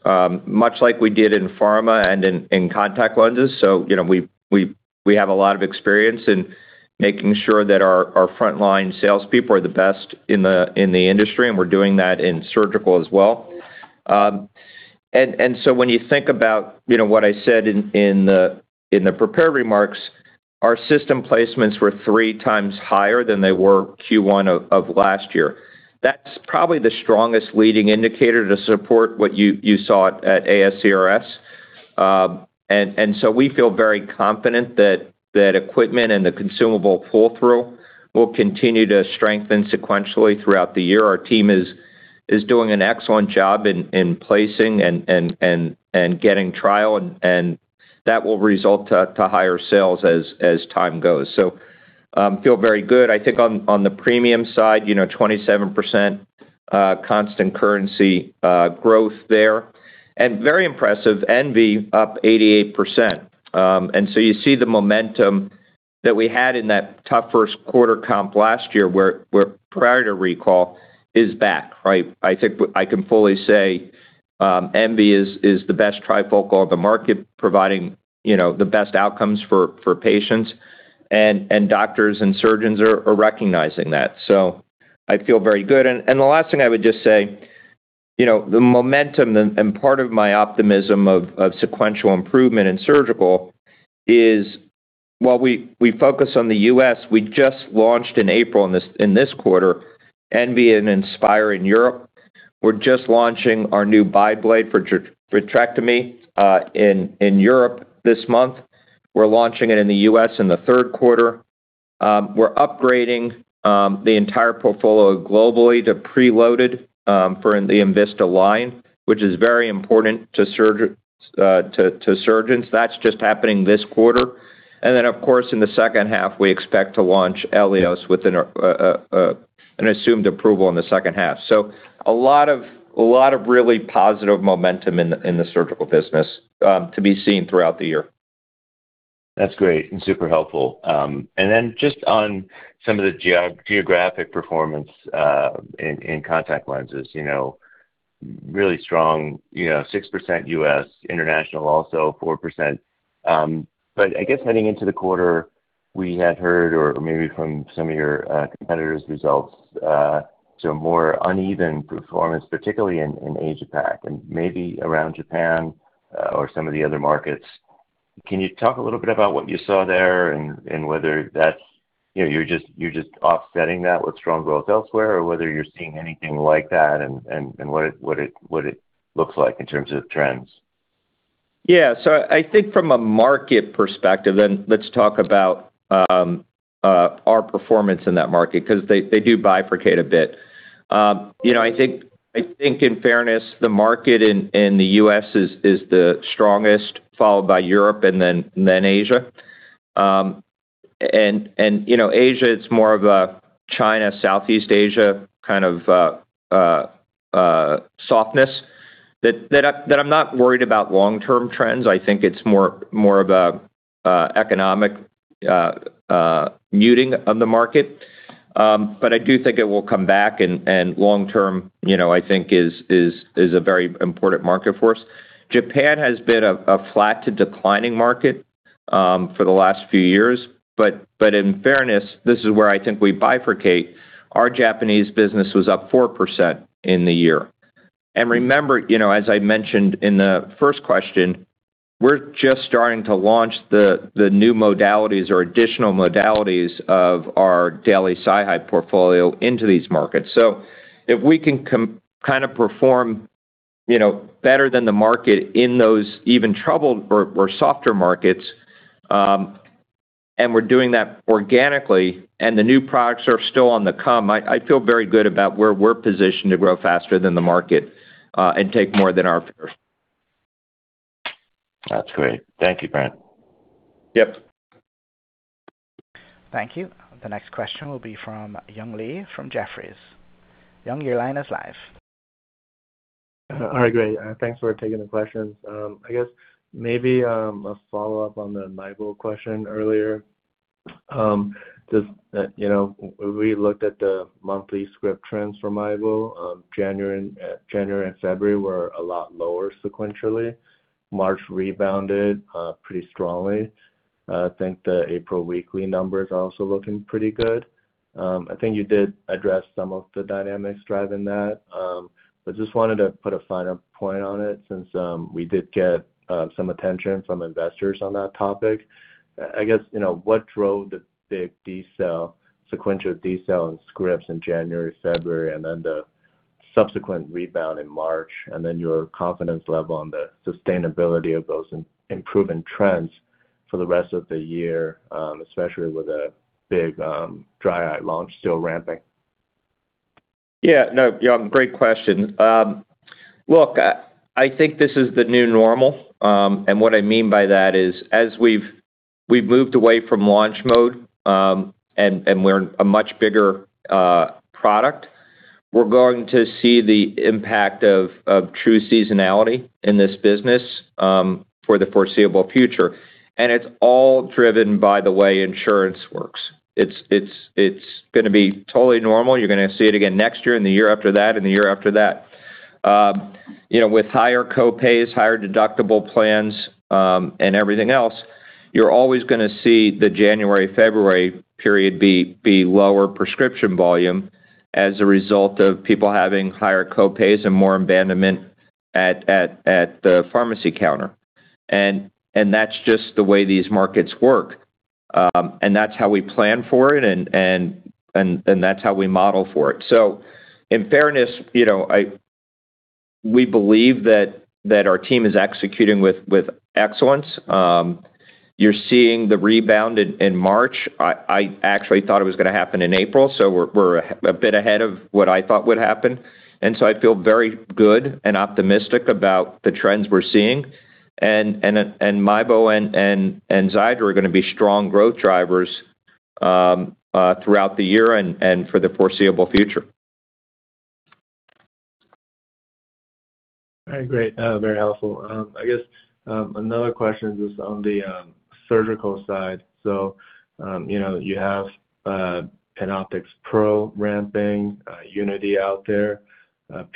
much like we did in pharma and in contact lenses. You know, we have a lot of experience in making sure that our frontline salespeople are the best in the industry, and we're doing that in surgical as well. When you think about, you know, what I said in the prepared remarks, our system placements were three times higher than they were Q1 of last year. That's probably the strongest leading indicator to support what you saw at ASCRS. We feel very confident that that equipment and the consumable pull-through will continue to strengthen sequentially throughout the year. Our team is doing an excellent job in placing and getting trial and that will result to higher sales as time goes. Feel very good. I think on the premium side, you know, 27% constant currency growth there. Very impressive, Envy up 88%. You see the momentum that we had in that tough first quarter comp last year where prior to recall is back, right? I think I can fully say, Envy is the best trifocal on the market, providing, you know, the best outcomes for patients. Doctors and surgeons are recognizing that. I feel very good. The last thing I would just say, you know, the momentum and part of my optimism of sequential improvement in surgical is while we focus on the U.S., we just launched in April in this quarter, Envy and Aspire in Europe. We're just launching our new Bi-Blade for Trabectome in Europe this month. We're launching it in the U.S. in the third quarter. We're upgrading the entire portfolio globally to preloaded for in the enVista line, which is very important to surgeons. That's just happening this quarter. Of course, in the second half, we expect to launch ELIOS within an assumed approval in the second half. A lot of really positive momentum in the surgical business to be seen throughout the year. That's great and super helpful. Just on some of the geo-geographic performance in contact lenses. Really strong, 6% U.S., international also 4%. I guess heading into the quarter, we had heard or maybe from some of your competitors' results to a more uneven performance, particularly in Asia Pac and maybe around Japan or some of the other markets. Can you talk a little bit about what you saw there and whether that's you're just offsetting that with strong growth elsewhere or whether you're seeing anything like that and what it looks like in terms of trends? Yeah. I think from a market perspective, then let's talk about our performance in that market because they do bifurcate a bit. You know, I think in fairness, the market in the U.S. is the strongest, followed by Europe and then Asia. You know, Asia, it's more of a China, Southeast Asia kind of softness that I'm not worried about long-term trends. I think it's more of a economic muting of the market. I do think it will come back and long term, you know, I think is a very important market for us. Japan has been a flat to declining market for the last few years. In fairness, this is where I think we bifurcate. Our Japanese business was up 4% in the year. Remember, you know, as I mentioned in the first question, we're just starting to launch the new modalities or additional modalities of our daily SiHy portfolio into these markets. If we can kind of perform, you know, better than the market in those even troubled or softer markets, and we're doing that organically and the new products are still on the come, I feel very good about where we're positioned to grow faster than the market and take more than our fair share. That's great. Thank you, Brent. Yep. Thank you. The next question will be from Young Li from Jefferies. Young, your line is live. All right, great. Thanks for taking the questions. I guess maybe a follow-up on the [Nyquil] question earlier. Just, you know, when we looked at the monthly script trends for [Nyquil], January and February were a lot lower sequentially. March rebounded pretty strongly. I think the April weekly numbers are also looking pretty good. I think you did address some of the dynamics driving that. Just wanted to put a finer point on it since we did get some attention from investors on that topic. I guess, you know, what drove the big sequential desell in scripts in January, February, and then the subsequent rebound in March, and then your confidence level on the sustainability of those improving trends for the rest of the year, especially with a big dry eye launch still ramping? Yeah. No, Young, great question. Look, I think this is the new normal. What I mean by that is as we've moved away from launch mode, and we're a much bigger product. We're going to see the impact of true seasonality in this business for the foreseeable future. It's all driven by the way insurance works. It's gonna be totally normal. You're gonna see it again next year and the year after that and the year after that. You know, with higher co-pays, higher deductible plans, and everything else, you're always gonna see the January, February period lower prescription volume as a result of people having higher co-pays and more abandonment at the pharmacy counter. That's just the way these markets work. And that's how we plan for it, and that's how we model for it. In fairness, you know, we believe that our team is executing with excellence. You're seeing the rebound in March. I actually thought it was gonna happen in April, so we're a bit ahead of what I thought would happen. I feel very good and optimistic about the trends we're seeing. MIEBO and Xiidra are gonna be strong growth drivers throughout the year and for the foreseeable future. All right. Great. Very helpful. I guess another question just on the surgical side. You know, you have PanOptix Pro ramping, Unity out there,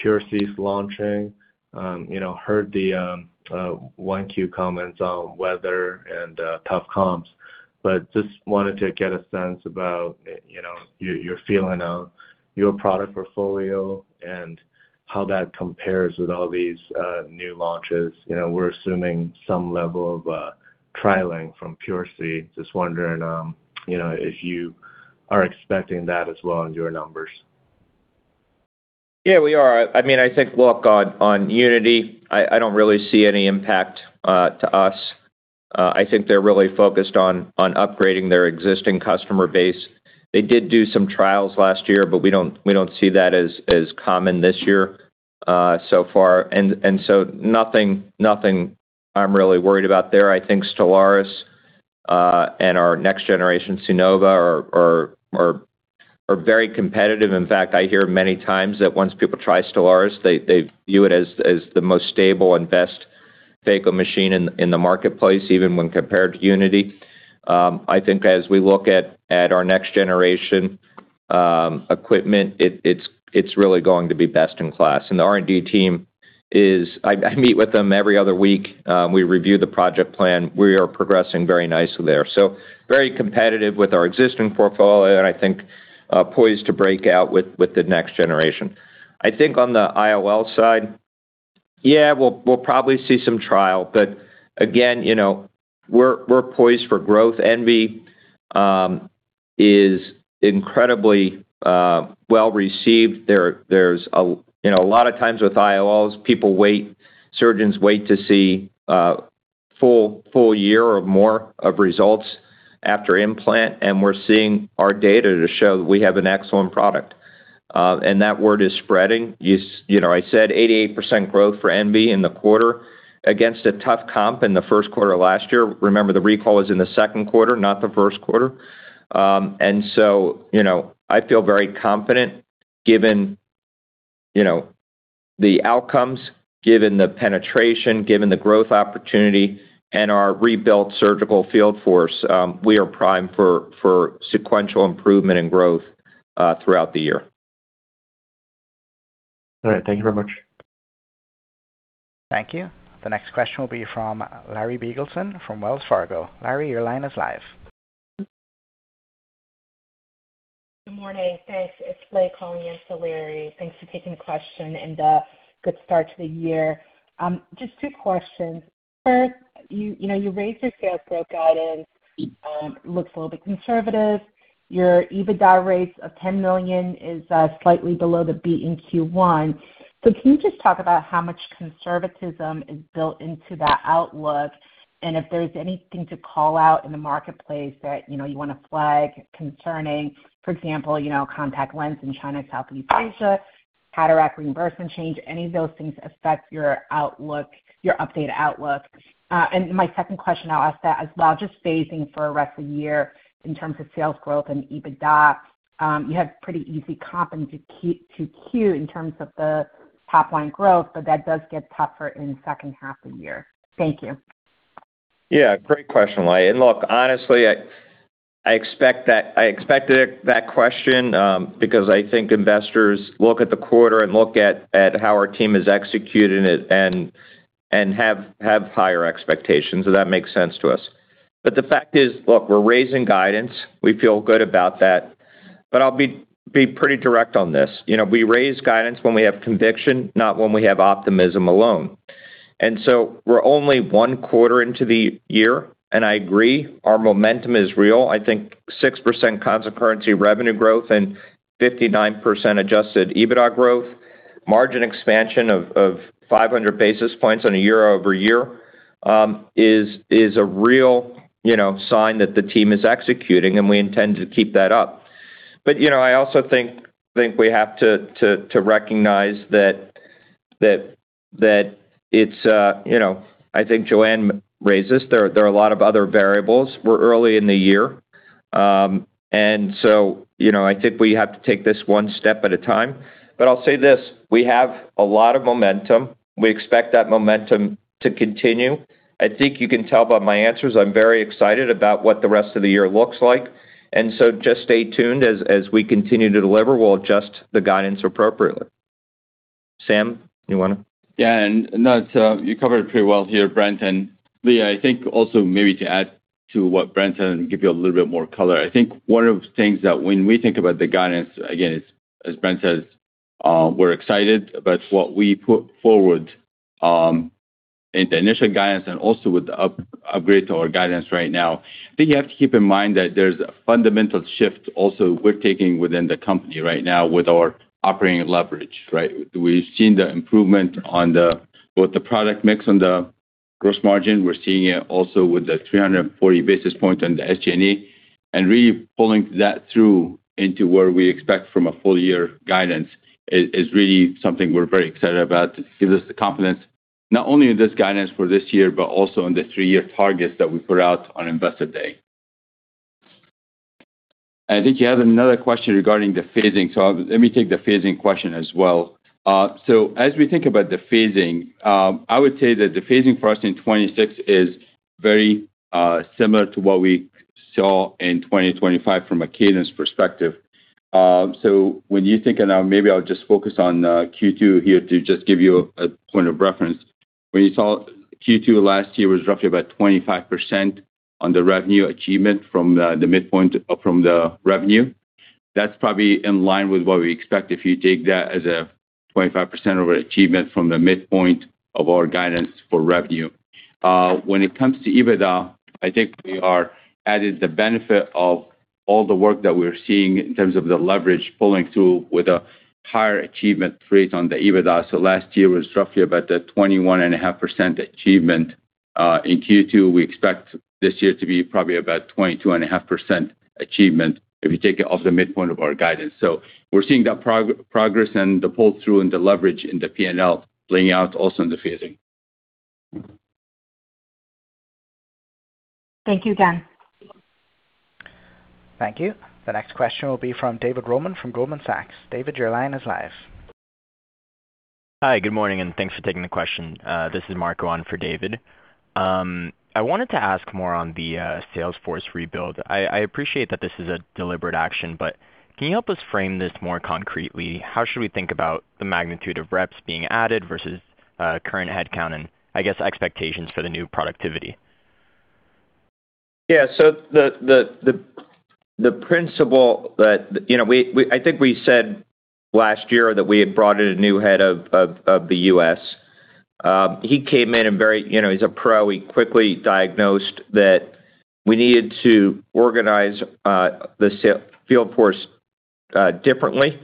PureSee launching. You know, heard the 1Q comments on weather and tough comps. Just wanted to get a sense about, you know, your feeling on your product portfolio and how that compares with all these new launches. You know, we're assuming some level of trialing from PureSee. Just wondering, you know, if you are expecting that as well in your numbers. Yeah, we are. I mean, I think, look, on Unity, I don't really see any impact to us. I think they're really focused on upgrading their existing customer base. They did do some trials last year, but we don't see that as common this year so far. So nothing I'm really worried about there. I think Stellaris and our next-generation, Seenova, are very competitive. In fact, I hear many times that once people try Stellaris, they view it as the most stable and best phaco machine in the marketplace, even when compared to Unity. I think as we look at our next generation equipment, it's really going to be best in class. The R&D team I meet with them every other week. We review the project plan. We are progressing very nicely there. Very competitive with our existing portfolio, and I think poised to break out with the next generation. I think on the IOL side, yeah, we'll probably see some trial. Again, you know, we're poised for growth. Envy is incredibly well-received. You know, a lot of times with IOLs, people wait, surgeons wait to see a full year or more of results after implant, and we're seeing our data to show that we have an excellent product. And that word is spreading. You know, I said 88% growth for Envy in the quarter against a tough comp in the first quarter of last year. Remember, the recall was in the second quarter, not the first quarter. You know, I feel very confident given, you know, the outcomes, given the penetration, given the growth opportunity, and our rebuilt surgical field force. We are primed for sequential improvement and growth throughout the year. All right. Thank you very much. Thank you. The next question will be from Larry Biegelsen from Wells Fargo. Larry, your line is live. Good morning. Thanks. It's Lei calling in for Larry. Thanks for taking the question and the good start to the year. Just two questions. First, you know, you raised your sales growth guidance. Looks a little bit conservative. Your EBITDA raise of $10 million is slightly below the beat in Q1. Can you just talk about how much conservatism is built into that outlook, and if there's anything to call out in the marketplace that, you know, you want to flag concerning, for example, you know, contact lens in China, Southeast Asia, cataract reimbursement change, any of those things affect your outlook, your updated outlook? My second question, I'll ask that as well, just phasing for rest of the year in terms of sales growth and EBITDA. You have pretty easy comping to cue in terms of the top line growth, but that does get tougher in the second half of the year. Thank you. Yeah, great question, Lei. Look, honestly, I expected that question, because I think investors look at the quarter and look at how our team has executed it and have higher expectations, so that makes sense to us. The fact is, look, we're raising guidance. We feel good about that. I'll be pretty direct on this. You know, we raise guidance when we have conviction, not when we have optimism alone. We're only one quarter into the year, and I agree our momentum is real. I think 6% constant currency revenue growth and 59% adjusted EBITDA growth, margin expansion of 500 basis points on a year-over-year, is a real, you know, sign that the team is executing, and we intend to keep that up. You know, I also think we have to recognize that it's, you know, I think Joanne raised this. There are a lot of other variables. We're early in the year. You know, I think we have to take this one step at a time. I'll say this, we have a lot of momentum. We expect that momentum to continue. I think you can tell by my answers, I'm very excited about what the rest of the year looks like. Just stay tuned as we continue to deliver. We'll adjust the guidance appropriately. Sam, you wanna? Yeah. No, it's you covered it pretty well here, Brent. Lei, I think also maybe to add to what Brent said and give you a little bit more color. I think one of the things that when we think about the guidance, again, as Brent says, we're excited about what we put forward in the initial guidance and also with the upgrade to our guidance right now. I think you have to keep in mind that there's a fundamental shift also we're taking within the company right now with our operating leverage, right? We've seen the improvement on both the product mix and the gross margin. We're seeing it also with the 340 basis points on the SG&A. Really pulling that through into where we expect from a full year guidance is really something we're very excited about. It gives us the confidence not only in this guidance for this year, but also in the three-year targets that we put out on Investor Day. I think you have another question regarding the phasing. Let me take the phasing question as well. As we think about the phasing, I would say that the phasing for us in 2026 is very similar to what we saw in 2025 from a cadence perspective. Maybe I'll just focus on Q2 here to just give you a point of reference. When you saw Q2 last year was roughly about 25% on the revenue achievement from the midpoint from the revenue. That's probably in line with what we expect if you take that as a 25% of our achievement from the midpoint of our guidance for revenue. When it comes to EBITDA, I think we are at it the benefit of all the work that we're seeing in terms of the leverage pulling through with a higher achievement rate on the EBITDA. Last year was roughly about the 21.5% achievement. In Q2, we expect this year to be probably about 22.5% achievement if you take it off the midpoint of our guidance. We're seeing that progress and the pull-through and the leverage in the P&L playing out also in the phasing. Thank you. Again. Thank you. The next question will be from David Roman from Goldman Sachs. David, your line is live. Hi, good morning, and thanks for taking the question. This is Marco on for David. I wanted to ask more on the sales force rebuild. I appreciate that this is a deliberate action. Can you help us frame this more concretely? How should we think about the magnitude of reps being added versus current headcount and, I guess, expectations for the new productivity? You know, I think we said last year that we had brought in a new head of the U.S. He came in and very, you know, he's a pro. He quickly diagnosed that we needed to organize the field force differently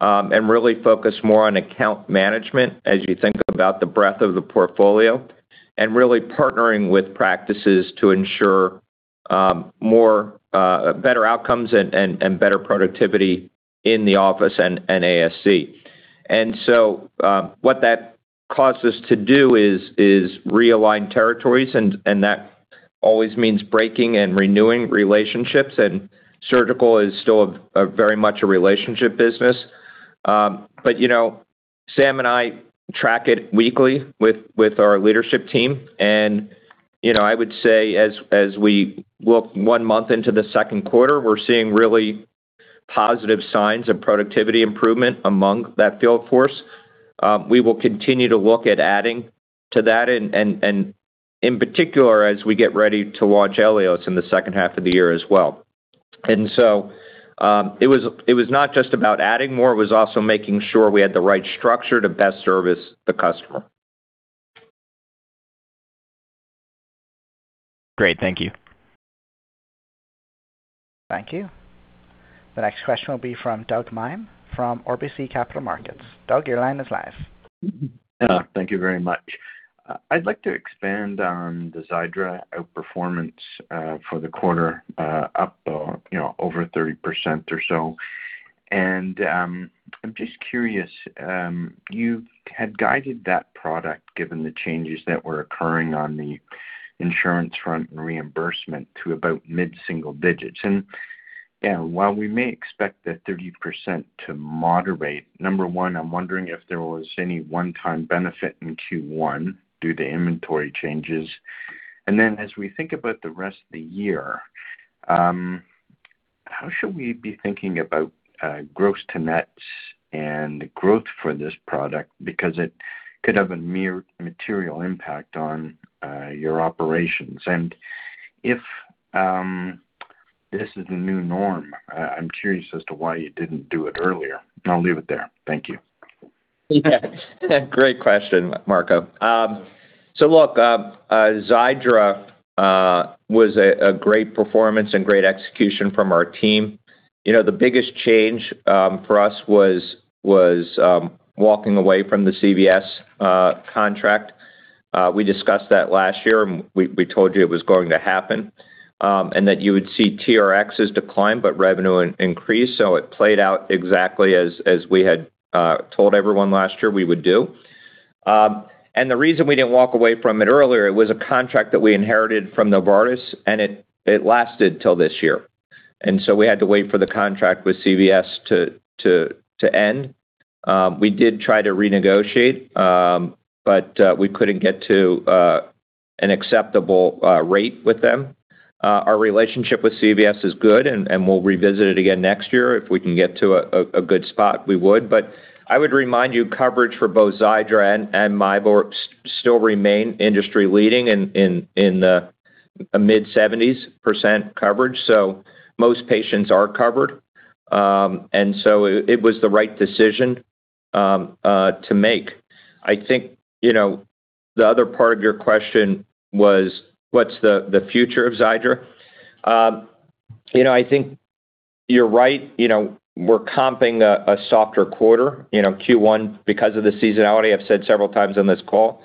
and really focus more on account management as you think about the breadth of the portfolio, and really partnering with practices to ensure more better outcomes and better productivity in the office and ASC. What that caused us to do is realign territories, and that always means breaking and renewing relationships, and surgical is still a very much a relationship business. You know, Sam and I track it weekly with our leadership team. You know, I would say as we look one month into the second quarter, we're seeing really positive signs of productivity improvement among that field force. We will continue to look at adding to that and in particular, as we get ready to launch ELIOS in the second half of the year as well. It was not just about adding more, it was also making sure we had the right structure to best service the customer. Great. Thank you. Thank you. The next question will be from Doug Miehm from RBC Capital Markets. Doug, your line is live. Yeah. Thank you very much. I'd like to expand on the Xiidra outperformance for the quarter, you know, over 30% or so. I'm just curious, you had guided that product given the changes that were occurring on the insurance front and reimbursement to about mid-single digits. Yeah, while we may expect that 30% to moderate, number one, I'm wondering if there was any one-time benefit in Q1 due to inventory changes. As we think about the rest of the year, how should we be thinking about gross to nets and growth for this product? Because it could have a material impact on your operations. If this is the new norm, I'm curious as to why you didn't do it earlier. I'll leave it there. Thank you. Great question, Marco. So look, Xiidra was a great performance and great execution from our team. You know, the biggest change for us was walking away from the CVS contract. We discussed that last year, and we told you it was going to happen, and that you would see TRXs decline but revenue increase. It played out exactly as we had told everyone last year we would do. The reason we didn't walk away from it earlier, it was a contract that we inherited from Novartis, and it lasted till this year. We had to wait for the contract with CVS to end. We did try to renegotiate, but we couldn't get to an acceptable rate with them. Our relationship with CVS is good, and we'll revisit it again next year. If we can get to a good spot, we would. I would remind you, coverage for both Xiidra and MIEBO still remain industry-leading in the mid-70% coverage. Most patients are covered. It was the right decision to make. I think, you know, the other part of your question was, what's the future of Xiidra? You know, I think you're right. You know, we're comping a softer quarter, you know, Q1 because of the seasonality. I've said several times on this call.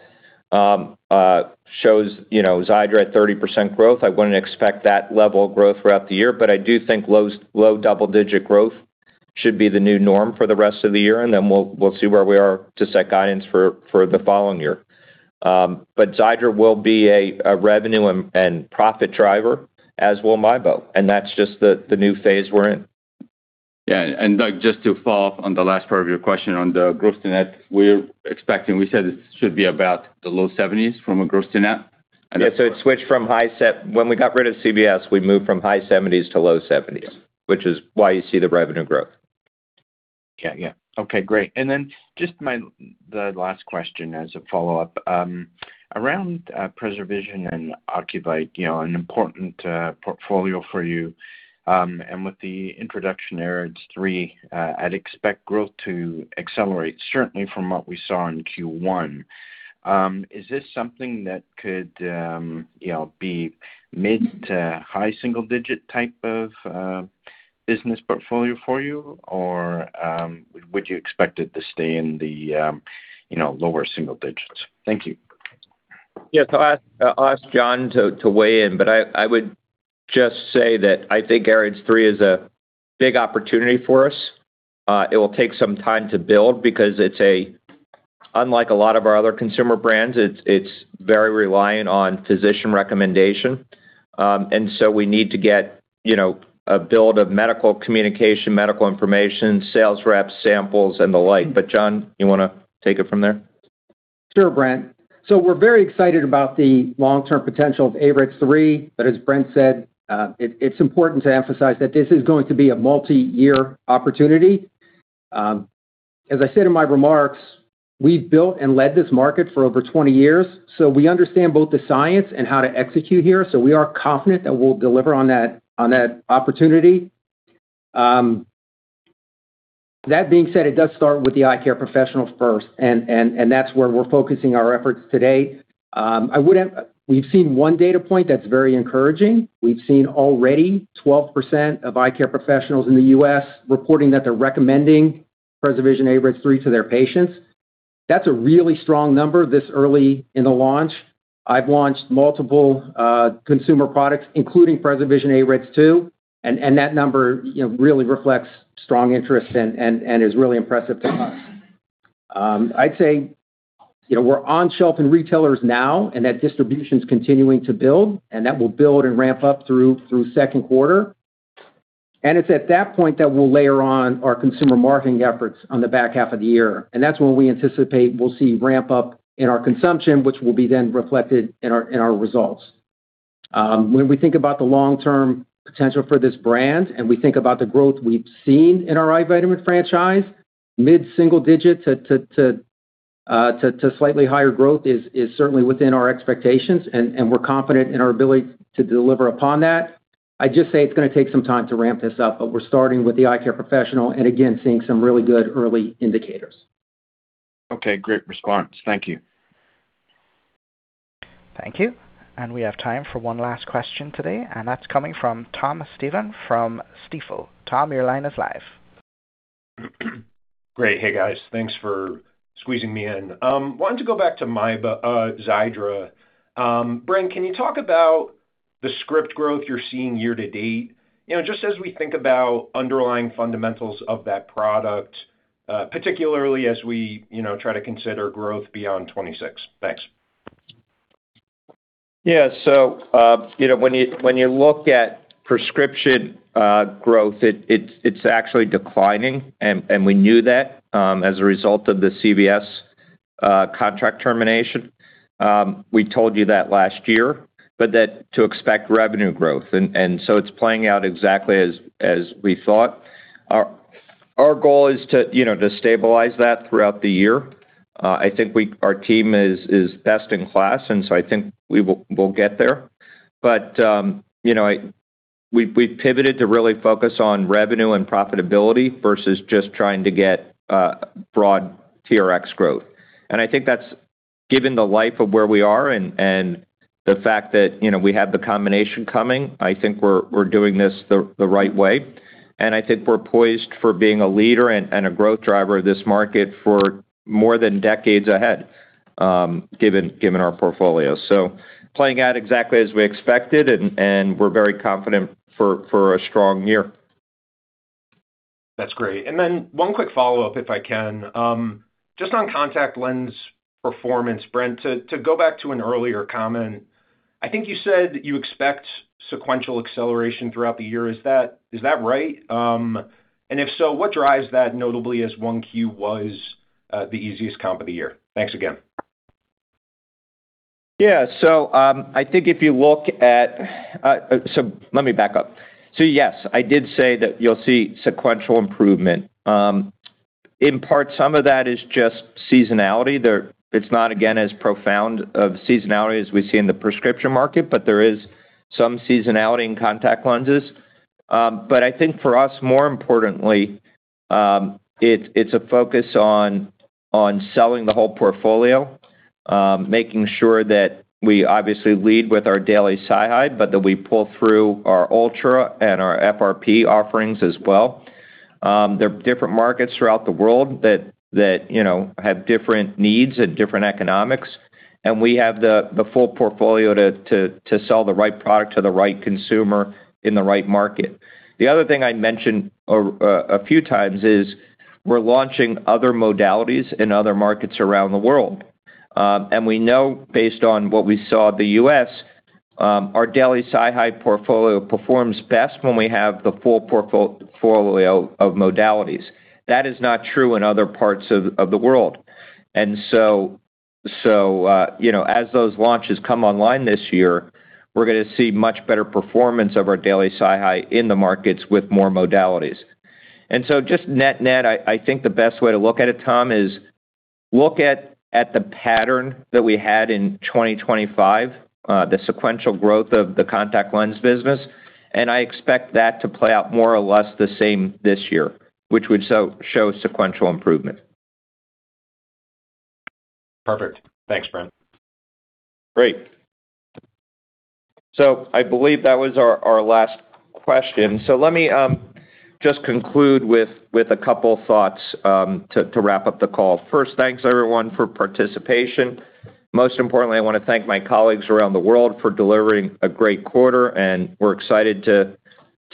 Shows, you know, Xiidra at 30% growth. I wouldn't expect that level of growth throughout the year. I do think low double-digit growth should be the new norm for the rest of the year. We'll see where we are to set guidance for the following year. Xiidra will be a revenue and profit driver, as will MIEBO, and that's just the new phase we're in. Yeah. Like, just to follow up on the last part of your question on the gross-to-net, we said it should be about the low 70s% from a gross-to-net. Yeah. When we got rid of CVS, we moved from high 70s to low 70s. Yeah which is why you see the revenue growth. Yeah, yeah. Okay, great. Then just my, the last question as a follow-up. Around PreserVision and Ocuvite, you know, an important portfolio for you, and with the introduction there, AREDS 3, I'd expect growth to accelerate, certainly from what we saw in Q1. Is this something that could, you know, be mid- to high-single digit type of business portfolio for you? Or would you expect it to stay in the, you know, lower single digits? Thank you. Yeah. I'll ask John to weigh in, but I would just say that I think AREDS 3 is a big opportunity for us. It will take some time to build because Unlike a lot of our other consumer brands, it's very reliant on physician recommendation. We need to get, you know, a build of medical communication, medical information, sales reps, samples, and the like. John, you wanna take it from there? Sure, Brent. We're very excited about the long-term potential of AREDS 3, but as Brent said, it's important to emphasize that this is going to be a multi-year opportunity. As I said in my remarks, we've built and led this market for over 20 years, so we understand both the science and how to execute here, so we are confident that we'll deliver on that, on that opportunity. That being said, it does start with the eye care professionals first, and that's where we're focusing our efforts today. We've seen one data point that's very encouraging. We've seen already 12% of eye care professionals in the U.S. reporting that they're recommending PreserVision AREDS 3 to their patients. That's a really strong number this early in the launch. I've launched multiple consumer products, including PreserVision AREDS 2, and that number, you know, really reflects strong interest and is really impressive to us. I'd say, you know, we're on shelf in retailers now, and that distribution's continuing to build, and that will build and ramp up through second quarter. It's at that point that we'll layer on our consumer marketing efforts on the back half of the year, and that's when we anticipate we'll see ramp-up in our consumption, which will be then reflected in our results. When we think about the long-term potential for this brand and we think about the growth we've seen in our eye vitamin franchise, mid-single digit to slightly higher growth is certainly within our expectations, and we're confident in our ability to deliver upon that. I'd just say it's gonna take some time to ramp this up, but we're starting with the eye care professional and again, seeing some really good early indicators. Okay. Great response. Thank you. Thank you. We have time for one last question today, and that's coming from Thomas Stephan from Stifel. Tom, your line is live. Great. Hey, guys. Thanks for squeezing me in. I wanted to go back to MIEBO, Xiidra. Brent, can you talk about the script growth you're seeing year-to-date? You know, just as we think about underlying fundamentals of that product, particularly as we, you know, try to consider growth beyond 2026. Thanks. Yeah. You know, when you look at prescription growth, it's actually declining, and we knew that as a result of the CVS Health contract termination. We told you that last year, but that to expect revenue growth. It's playing out exactly as we thought. Our goal is to, you know, to stabilize that throughout the year. I think our team is best-in-class, I think we will, we'll get there. You know, we've pivoted to really focus on revenue and profitability versus just trying to get broad TRx growth. I think that's given the life of where we are and the fact that, you know, we have the combination coming, I think we're doing this the right way. I think we're poised for being a leader and a growth driver of this market for more than decades ahead, given our portfolio. Playing out exactly as we expected and we're very confident for a strong year. That's great. One quick follow-up, if I can. Just on contact lens performance, Brent, to go back to an earlier comment. I think you said you expect sequential acceleration throughout the year. Is that right? If so, what drives that notably as 1Q was the easiest comp of the year? Thanks again. I think if you look at. Let me back up. Yes, I did say that you'll see sequential improvement. In part, some of that is just seasonality there. It's not, again, as profound of seasonality as we see in the prescription market, but there is some seasonality in contact lenses. I think for us, more importantly, it's a focus on selling the whole portfolio, making sure that we obviously lead with our daily SiHy, but that we pull through our ULTRA and our FRP offerings as well. There are different markets throughout the world that, you know, have different needs and different economics, and we have the full portfolio to sell the right product to the right consumer in the right market. The other thing I'd mention a few times is we're launching other modalities in other markets around the world. We know based on what we saw at the U.S., our daily SiHy portfolio performs best when we have the full portfolio of modalities. That is not true in other parts of the world. You know, as those launches come online this year, we're gonna see much better performance of our daily SiHy in the markets with more modalities. Just net-net, I think the best way to look at it, Tom, is look at the pattern that we had in 2025, the sequential growth of the contact lens business, I expect that to play out more or less the same this year, which would show sequential improvement. Perfect. Thanks, Brent. Great. I believe that was our last question. Let me just conclude with a couple thoughts to wrap up the call. First, thanks everyone for participation. Most importantly, I wanna thank my colleagues around the world for delivering a great quarter, and we're excited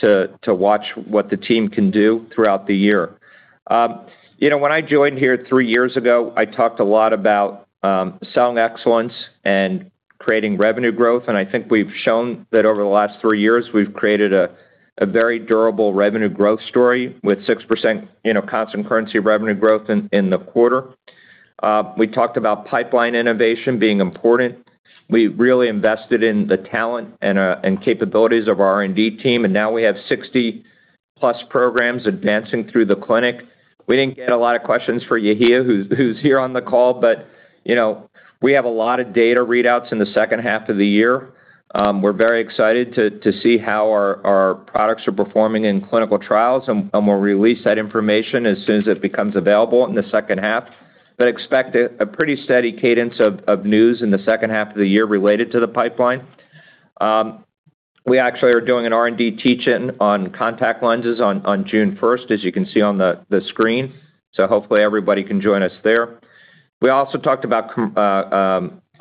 to watch what the team can do throughout the year. You know, when I joined here three years ago, I talked a lot about selling excellence and creating revenue growth, and I think we've shown that over the last three years, we've created a very durable revenue growth story with 6%, you know, constant currency revenue growth in the quarter. We talked about pipeline innovation being important. We really invested in the talent and capabilities of our R&D team, and now we have 60+ programs advancing through the clinic. We didn't get a lot of questions for Yehia, who's here on the call, you know, we have a lot of data readouts in the second half of the year. We're very excited to see how our products are performing in clinical trials and we'll release that information as soon as it becomes available in the second half. Expect a pretty steady cadence of news in the second half of the year related to the pipeline. We actually are doing an R&D teach-in on contact lenses on June 1st, as you can see on the screen. Hopefully everybody can join us there. We also talked about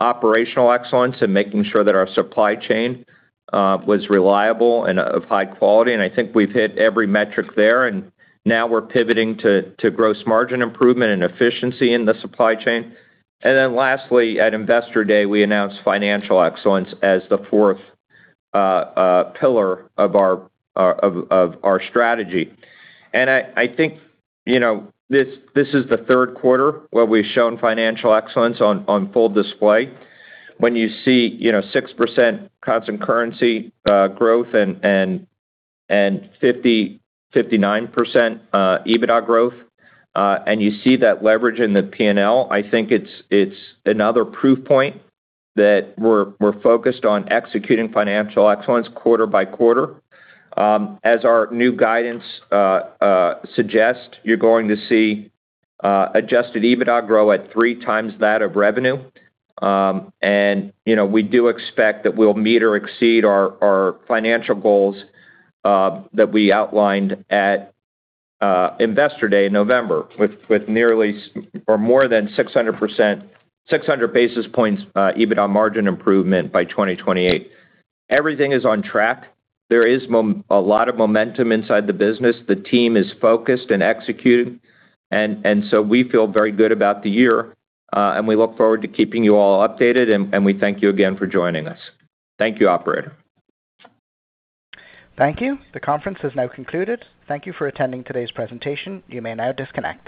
operational excellence and making sure that our supply chain was reliable and of high quality. I think we've hit every metric there, now we're pivoting to gross margin improvement and efficiency in the supply chain. Lastly, at Investor Day, we announced Financial Excellence as the fourth pillar of our strategy. I think, you know, this is the third quarter where we've shown Financial Excellence on full display. When you see, you know, 6% constant currency growth and 59% EBITDA growth, and you see that leverage in the P&L, I think it's another proof point that we're focused on executing Financial Excellence quarter by quarter. As our new guidance suggests, you're going to see adjusted EBITDA grow at 3x that of revenue. You know, we do expect that we'll meet or exceed our financial goals that we outlined at Investor Day in November with nearly or more than 600 basis points EBITDA margin improvement by 2028. Everything is on track. There is a lot of momentum inside the business. The team is focused and executing. So we feel very good about the year, and we look forward to keeping you all updated, and we thank you again for joining us. Thank you, operator. Thank you. The conference is now concluded. Thank you for attending today's presentation. You may now disconnect.